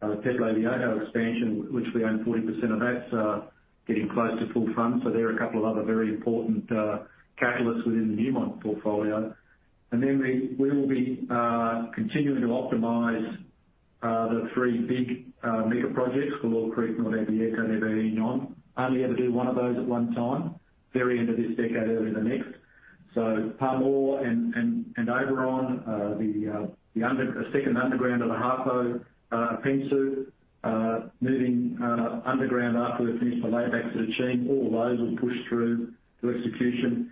The Peñasquito expansion, which we own 40% of that, is getting close to full fund. They're a couple of other very important catalysts within the Newmont portfolio. We will be continuing to optimize the three big mega projects, Galore Creek, Norte Abierto, and NuevaUnión. Only able to do one of those at one time, very end of this decade, early the next. Pamour and Oberon, the second underground of the Ahafo Apensu, moving underground after we've finished the laybacks at Akyem, all of those will push through to execution.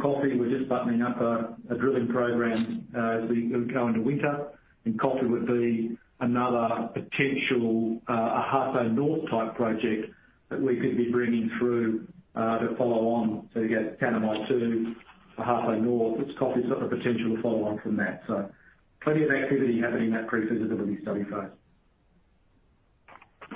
Coffee, we're just buttoning up a drilling program as we go into winter. Coffee would be another potential Ahafo North type project that we could be bringing through to follow on. You get Tanami 2, the Ahafo North. Coffee's got the potential to follow on from that. Plenty of activity happening in that pre-feasibility study phase.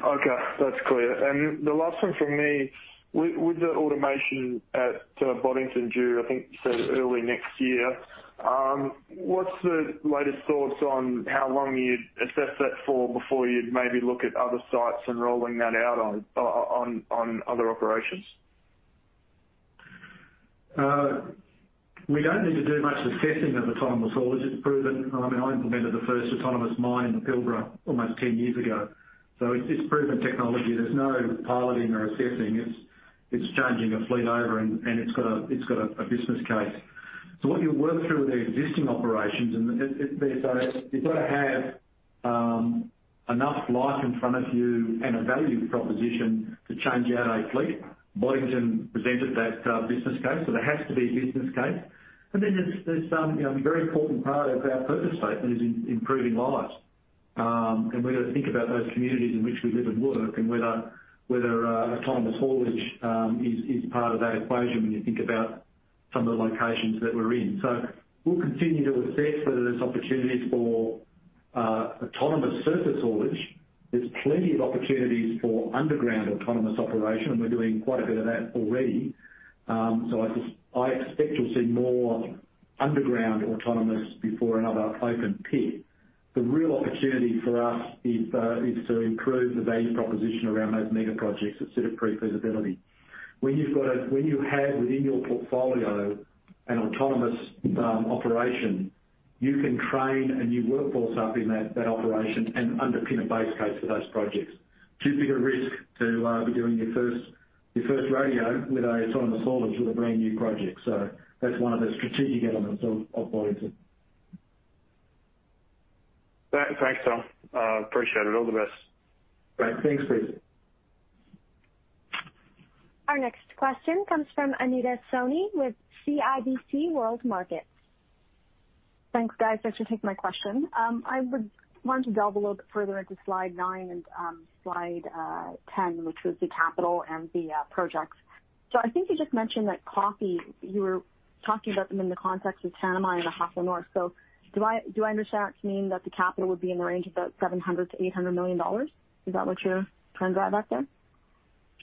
Okay, that's clear. The last one from me, with the automation at Boddington due, I think you said early next year, what's the latest thoughts on how long you'd assess that for before you'd maybe look at other sites and rolling that out on other operations? We don't need to do much assessing of autonomous haulage. It's proven. I implemented the first autonomous mine in Pilbara almost 10 years ago. It's proven technology. There's no piloting or assessing. It's changing a fleet over, and it's got a business case. What you'll work through with the existing operations, you've got to have enough life in front of you and a value proposition to change out a fleet. Boddington presented that business case. There has to be a business case. Then there's some very important part of our purpose statement is improving lives. We've got to think about those communities in which we live and work and whether autonomous haulage is part of that equation when you think about some of the locations that we're in. We'll continue to assess whether there's opportunities for autonomous surface haulage. There's plenty of opportunities for underground autonomous operation, and we're doing quite a bit of that already. I expect you'll see more underground autonomous before another open pit. The real opportunity for us is to improve the value proposition around those mega projects that sit at pre-feasibility. When you have within your portfolio an autonomous operation, you can train a new workforce up in that operation and underpin a base case for those projects. Too big a risk to be doing your first rodeo with autonomous haulage with a brand-new project. That's one of the strategic elements of Boddington. Thanks, Tom. Appreciate it. All the best. Great. Thanks, Chris. Our next question comes from Anita Soni with CIBC World Markets. Thanks, guys. Thanks for taking my question. I would want to delve a little bit further into slide nine and slide 10, which was the capital and the projects. I think you just mentioned that Coffee, you were talking about them in the context of Tanami and Ahafo North. Do I understand that to mean that the capital would be in the range of about $700 million-$800 million? Is that what your trends are back there?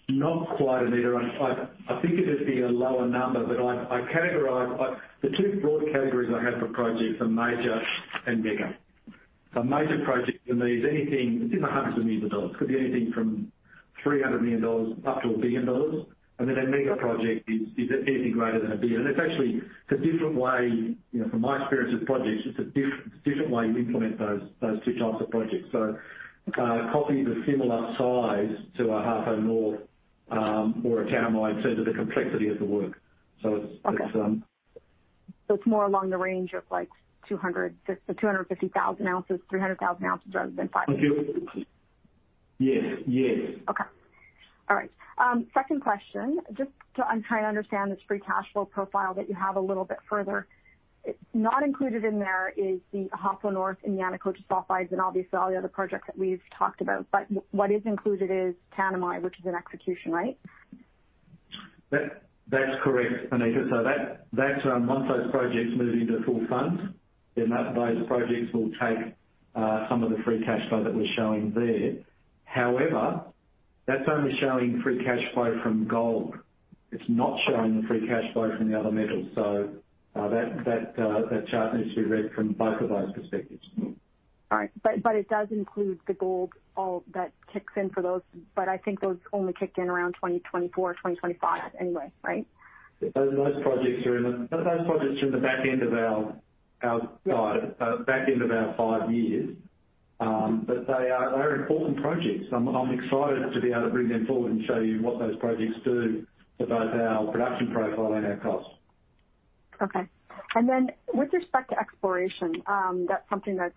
Not quite, Anita. I think it'd be a lower number. The two broad categories I have for projects are major and mega. Major projects for me is anything, it's in the hundreds of millions. It could be anything from $300 million up to $1 billion. Then a mega project is anything greater than $1 billion. It's a different way, from my experience with projects, it's a different way you implement those two types of projects. Coffee is a similar size to a Ahafo North or a Tanami in terms of the complexity of the work. Okay. It's more along the range of 250,000 ounces, 300,000 ounces rather than 500,000 ounces. Yes. Okay. All right. Second question, I'm trying to understand this free cash flow profile that you have a little bit further. Not included in there is the Ahafo and the Yanacocha Sulfides, and obviously all the other projects that we've talked about. What is included is Tanami, which is in execution, right? That's correct, Anita. Once those projects move into full fund, then those projects will take some of the free cash flow that we're showing there. However, that's only showing free cash flow from gold. It's not showing the free cash flow from the other metals. That chart needs to be read from both of those perspectives. All right. It does include the gold that kicks in for those. I think those only kick in around 2024 or 2025 anyway, right? Those projects are in the back end of our slide, back end of our 5 years. They are important projects. I'm excited to be able to bring them forward and show you what those projects do to both our production profile and our cost. Okay. With respect to exploration, that's something that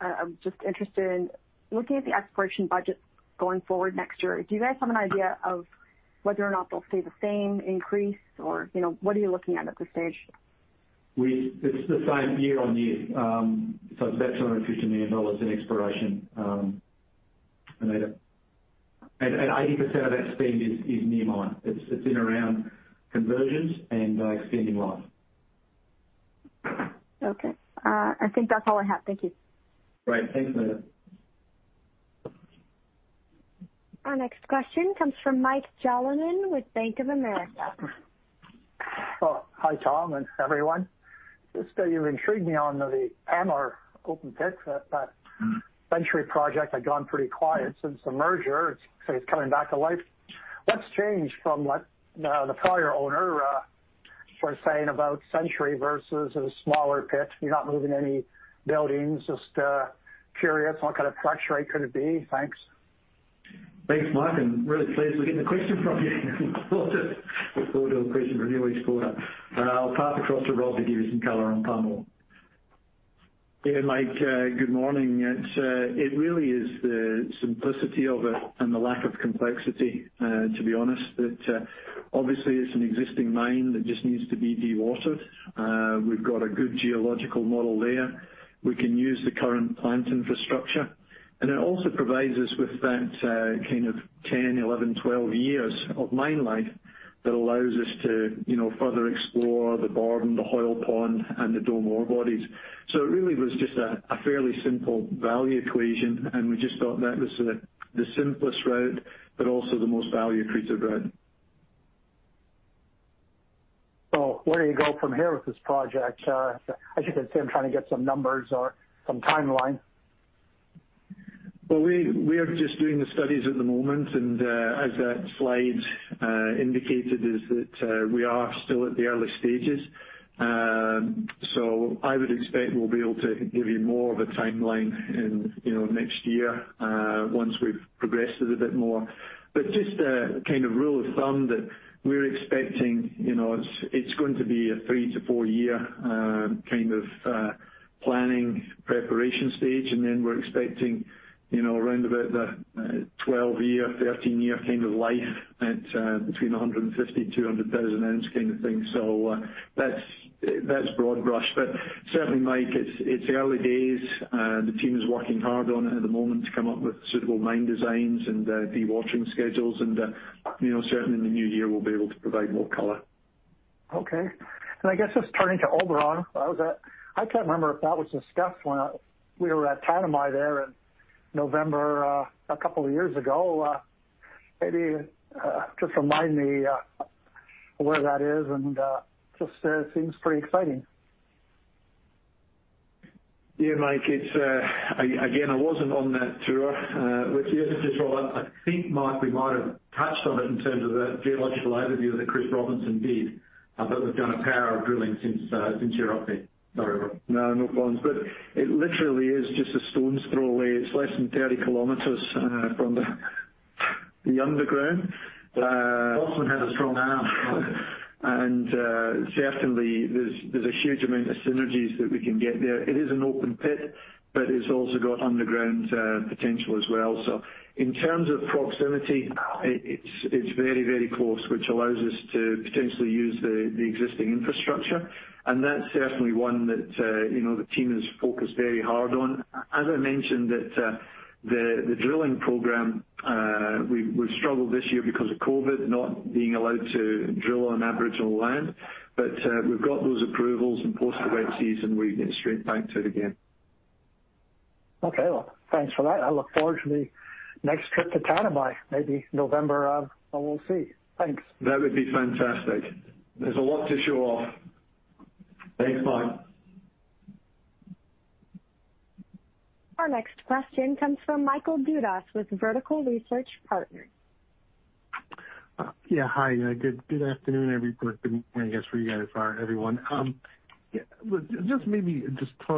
I'm just interested in. Looking at the exploration budget going forward next year, do you guys have an idea of whether or not they'll stay the same, increase, or what are you looking at at this stage? It's the same year on year. It's $250 million in exploration. 80% of that spend is near mine. It's been around conversions and extending life. Okay. I think that's all I have. Thank you. Great. Thanks, Anita. Our next question comes from Mike Jalonen with Bank of America. Oh, hi, Tom, and everyone. Just that you've intrigued me on the Pamour open pit. That Century Project had gone pretty quiet since the merger. It's coming back to life. What's changed from what the prior owner was saying about Century versus a smaller pit? You're not moving any buildings. Just curious what kind of crush rate could it be? Thanks. Thanks, Mike, and really pleased we're getting a question from you. Look forward to a question from you each quarter. I'll pass across to Rob to give you some color on Pamour. Yeah, Mike, good morning. It really is the simplicity of it and the lack of complexity, to be honest. Obviously it's an existing mine that just needs to be dewatered. We've got a good geological model there. We can use the current plant infrastructure. It also provides us with that kind of 10, 11, 12 years of mine life that allows us to further explore the Borden, the Hoyle Pond, and the Dome ore bodies. It really was just a fairly simple value equation, and we just thought that was the simplest route, but also the most value-accretive route. Where do you go from here with this project? As you can see, I'm trying to get some numbers or some timeline. Well, we are just doing the studies at the moment. As that slide indicated, we are still at the early stages. I would expect we'll be able to give you more of a timeline in next year, once we've progressed it a bit more. Just a kind of rule of thumb that we're expecting, it's going to be a 3 to 4-year planning preparation stage, and then we're expecting around about the 12-year, 13-year kind of life at between 150,000 ounces-200,000 ounces kind of thing. That's broad brush. Certainly, Mike, it's early days. The team is working hard on it at the moment to come up with suitable mine designs and dewatering schedules. Certainly in the new year, we'll be able to provide more color. Okay. I guess just turning to Oberon. I can't remember if that was discussed when we were at Tanami there in November, a couple of years ago. Maybe just remind me where that is, and just seems pretty exciting. Yeah, Mike, again, I wasn't on that tour. With you, I think, Mike, we might have touched on it in terms of the geological overview that Chris Robinson did. We've done a power of drilling since you were up there. Sorry, Rob. No, no problems. It literally is just a stone's throw away. It's less than 30 km from the underground. Robinson has a strong arm. Certainly, there's a huge amount of synergies that we can get there. It is an open pit, but it's also got underground potential as well. In terms of proximity, it's very close, which allows us to potentially use the existing infrastructure. That's certainly one that the team has focused very hard on. As I mentioned, the drilling program, we've struggled this year because of COVID, not being allowed to drill on Aboriginal land. We've got those approvals and post the wet season, we can straight back to it again. Okay, well, thanks for that. I look forward to the next trip to Tanami, maybe November. We'll see. Thanks. That would be fantastic. There's a lot to show off. Thanks, Mike. Our next question comes from Michael Dudas with Vertical Research Partners. Yeah, hi. Good afternoon, everybody. Good morning, I guess, where you guys are, everyone. Just maybe,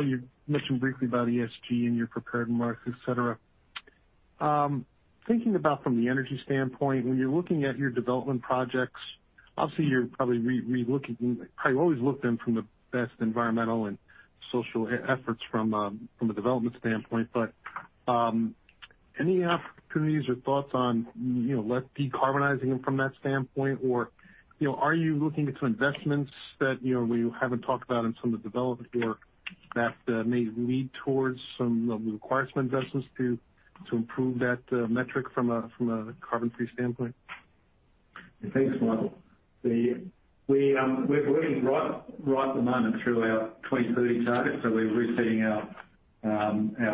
you mentioned briefly about ESG in your prepared remarks, et cetera. Thinking about from the energy standpoint, when you're looking at your development projects, obviously you're probably re-looking, probably always looked them from the best environmental and social efforts from a development standpoint. Any opportunities or thoughts on, let's decarbonizing them from that standpoint? Are you looking into investments that you haven't talked about in some of the development work that may lead towards some requirement investments to improve that metric from a carbon-free standpoint? Thanks, Michael. We're working right at the moment through our 2030 target, so we're resetting our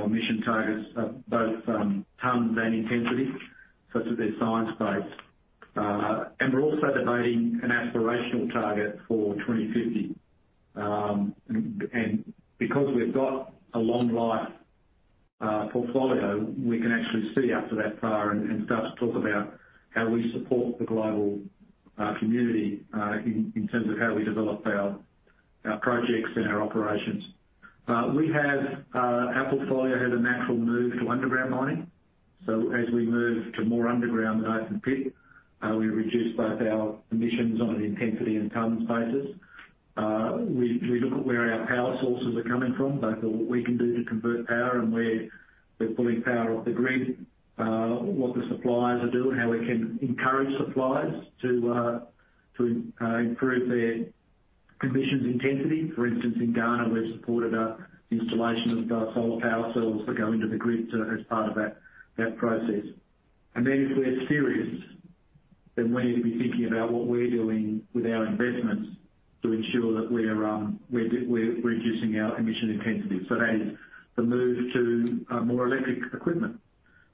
emission targets, both tons and intensity, such that they're science-based. We're also debating an aspirational target for 2050. Because we've got a long life portfolio, we can actually see out to that far and start to talk about how we support the global community in terms of how we develop our projects and our operations. Our portfolio has a natural move to underground mining. As we move to more underground than open pit, we reduce both our emissions on an intensity and tons basis. We look at where our power sources are coming from, both what we can do to convert power and where we're pulling power off the grid, what the suppliers are doing, how we can encourage suppliers to improve their emissions intensity. For instance, in Ghana, we've supported the installation of solar power cells that go into the grid as part of that process. If we're serious, then we need to be thinking about what we're doing with our investments to ensure that we're reducing our emission intensity. That is the move to more electric equipment,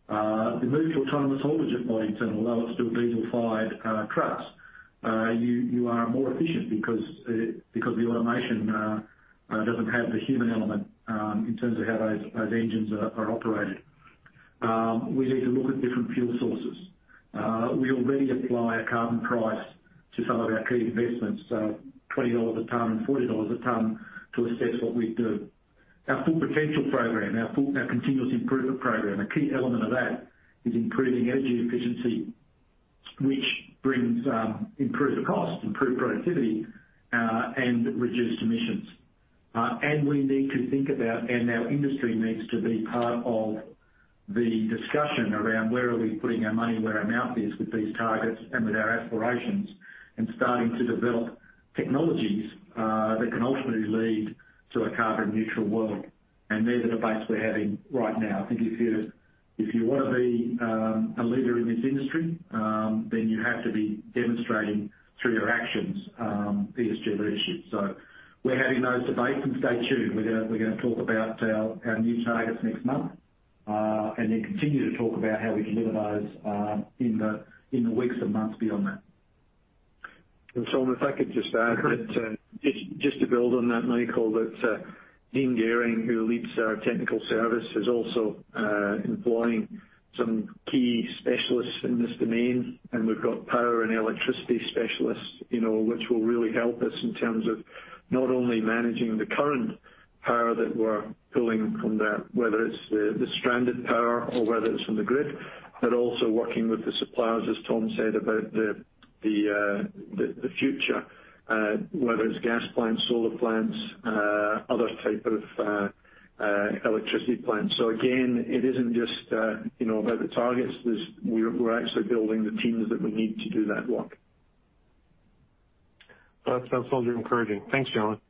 the move to autonomous haulage at mines. Although it's still diesel-fired trucks, you are more efficient because the automation doesn't have the human element in terms of how those engines are operated. We need to look at different fuel sources. We already apply a carbon price to some of our key investments, $20 a ton and $40 a ton to assess what we do. Our Full Potential program, our continuous improvement program, a key element of that is improving energy efficiency, which improves the cost, improve productivity, and reduce emissions. We need to think about, and our industry needs to be part of the discussion around where are we putting our money, where our mouth is with these targets and with our aspirations, and starting to develop technologies that can ultimately lead to a carbon neutral world. They're the debates we're having right now. I think if you want to be a leader in this industry, then you have to be demonstrating through your actions, ESG leadership. We're having those debates, and stay tuned. We're going to talk about our new targets next month, and then continue to talk about how we deliver those in the weeks and months beyond that. Tom, if I could just add that, just to build on that, Michael, that Ian Geering, who leads our technical service, is also employing some key specialists in this domain, and we've got power and electricity specialists, which will really help us in terms of not only managing the current power that we're pulling from there, whether it's the stranded power or whether it's from the grid. Also working with the suppliers, as Tom said, about the future, whether it's gas plants, solar plants, other type of electricity plants. Again, it isn't just about the targets. We're actually building the teams that we need to do that work. That sounds all very encouraging. Thanks, Rob.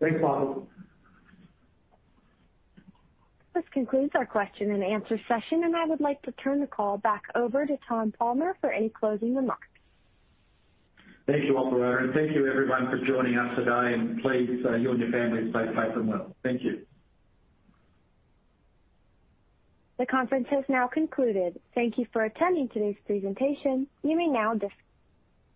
Thanks, Michael. This concludes our question and answer session, and I would like to turn the call back over to Tom Palmer for any closing remarks. Thank you, operator, and thank you, everyone, for joining us today. Please, you and your families stay safe and well. Thank you. The conference has now concluded. Thank you for attending today's presentation.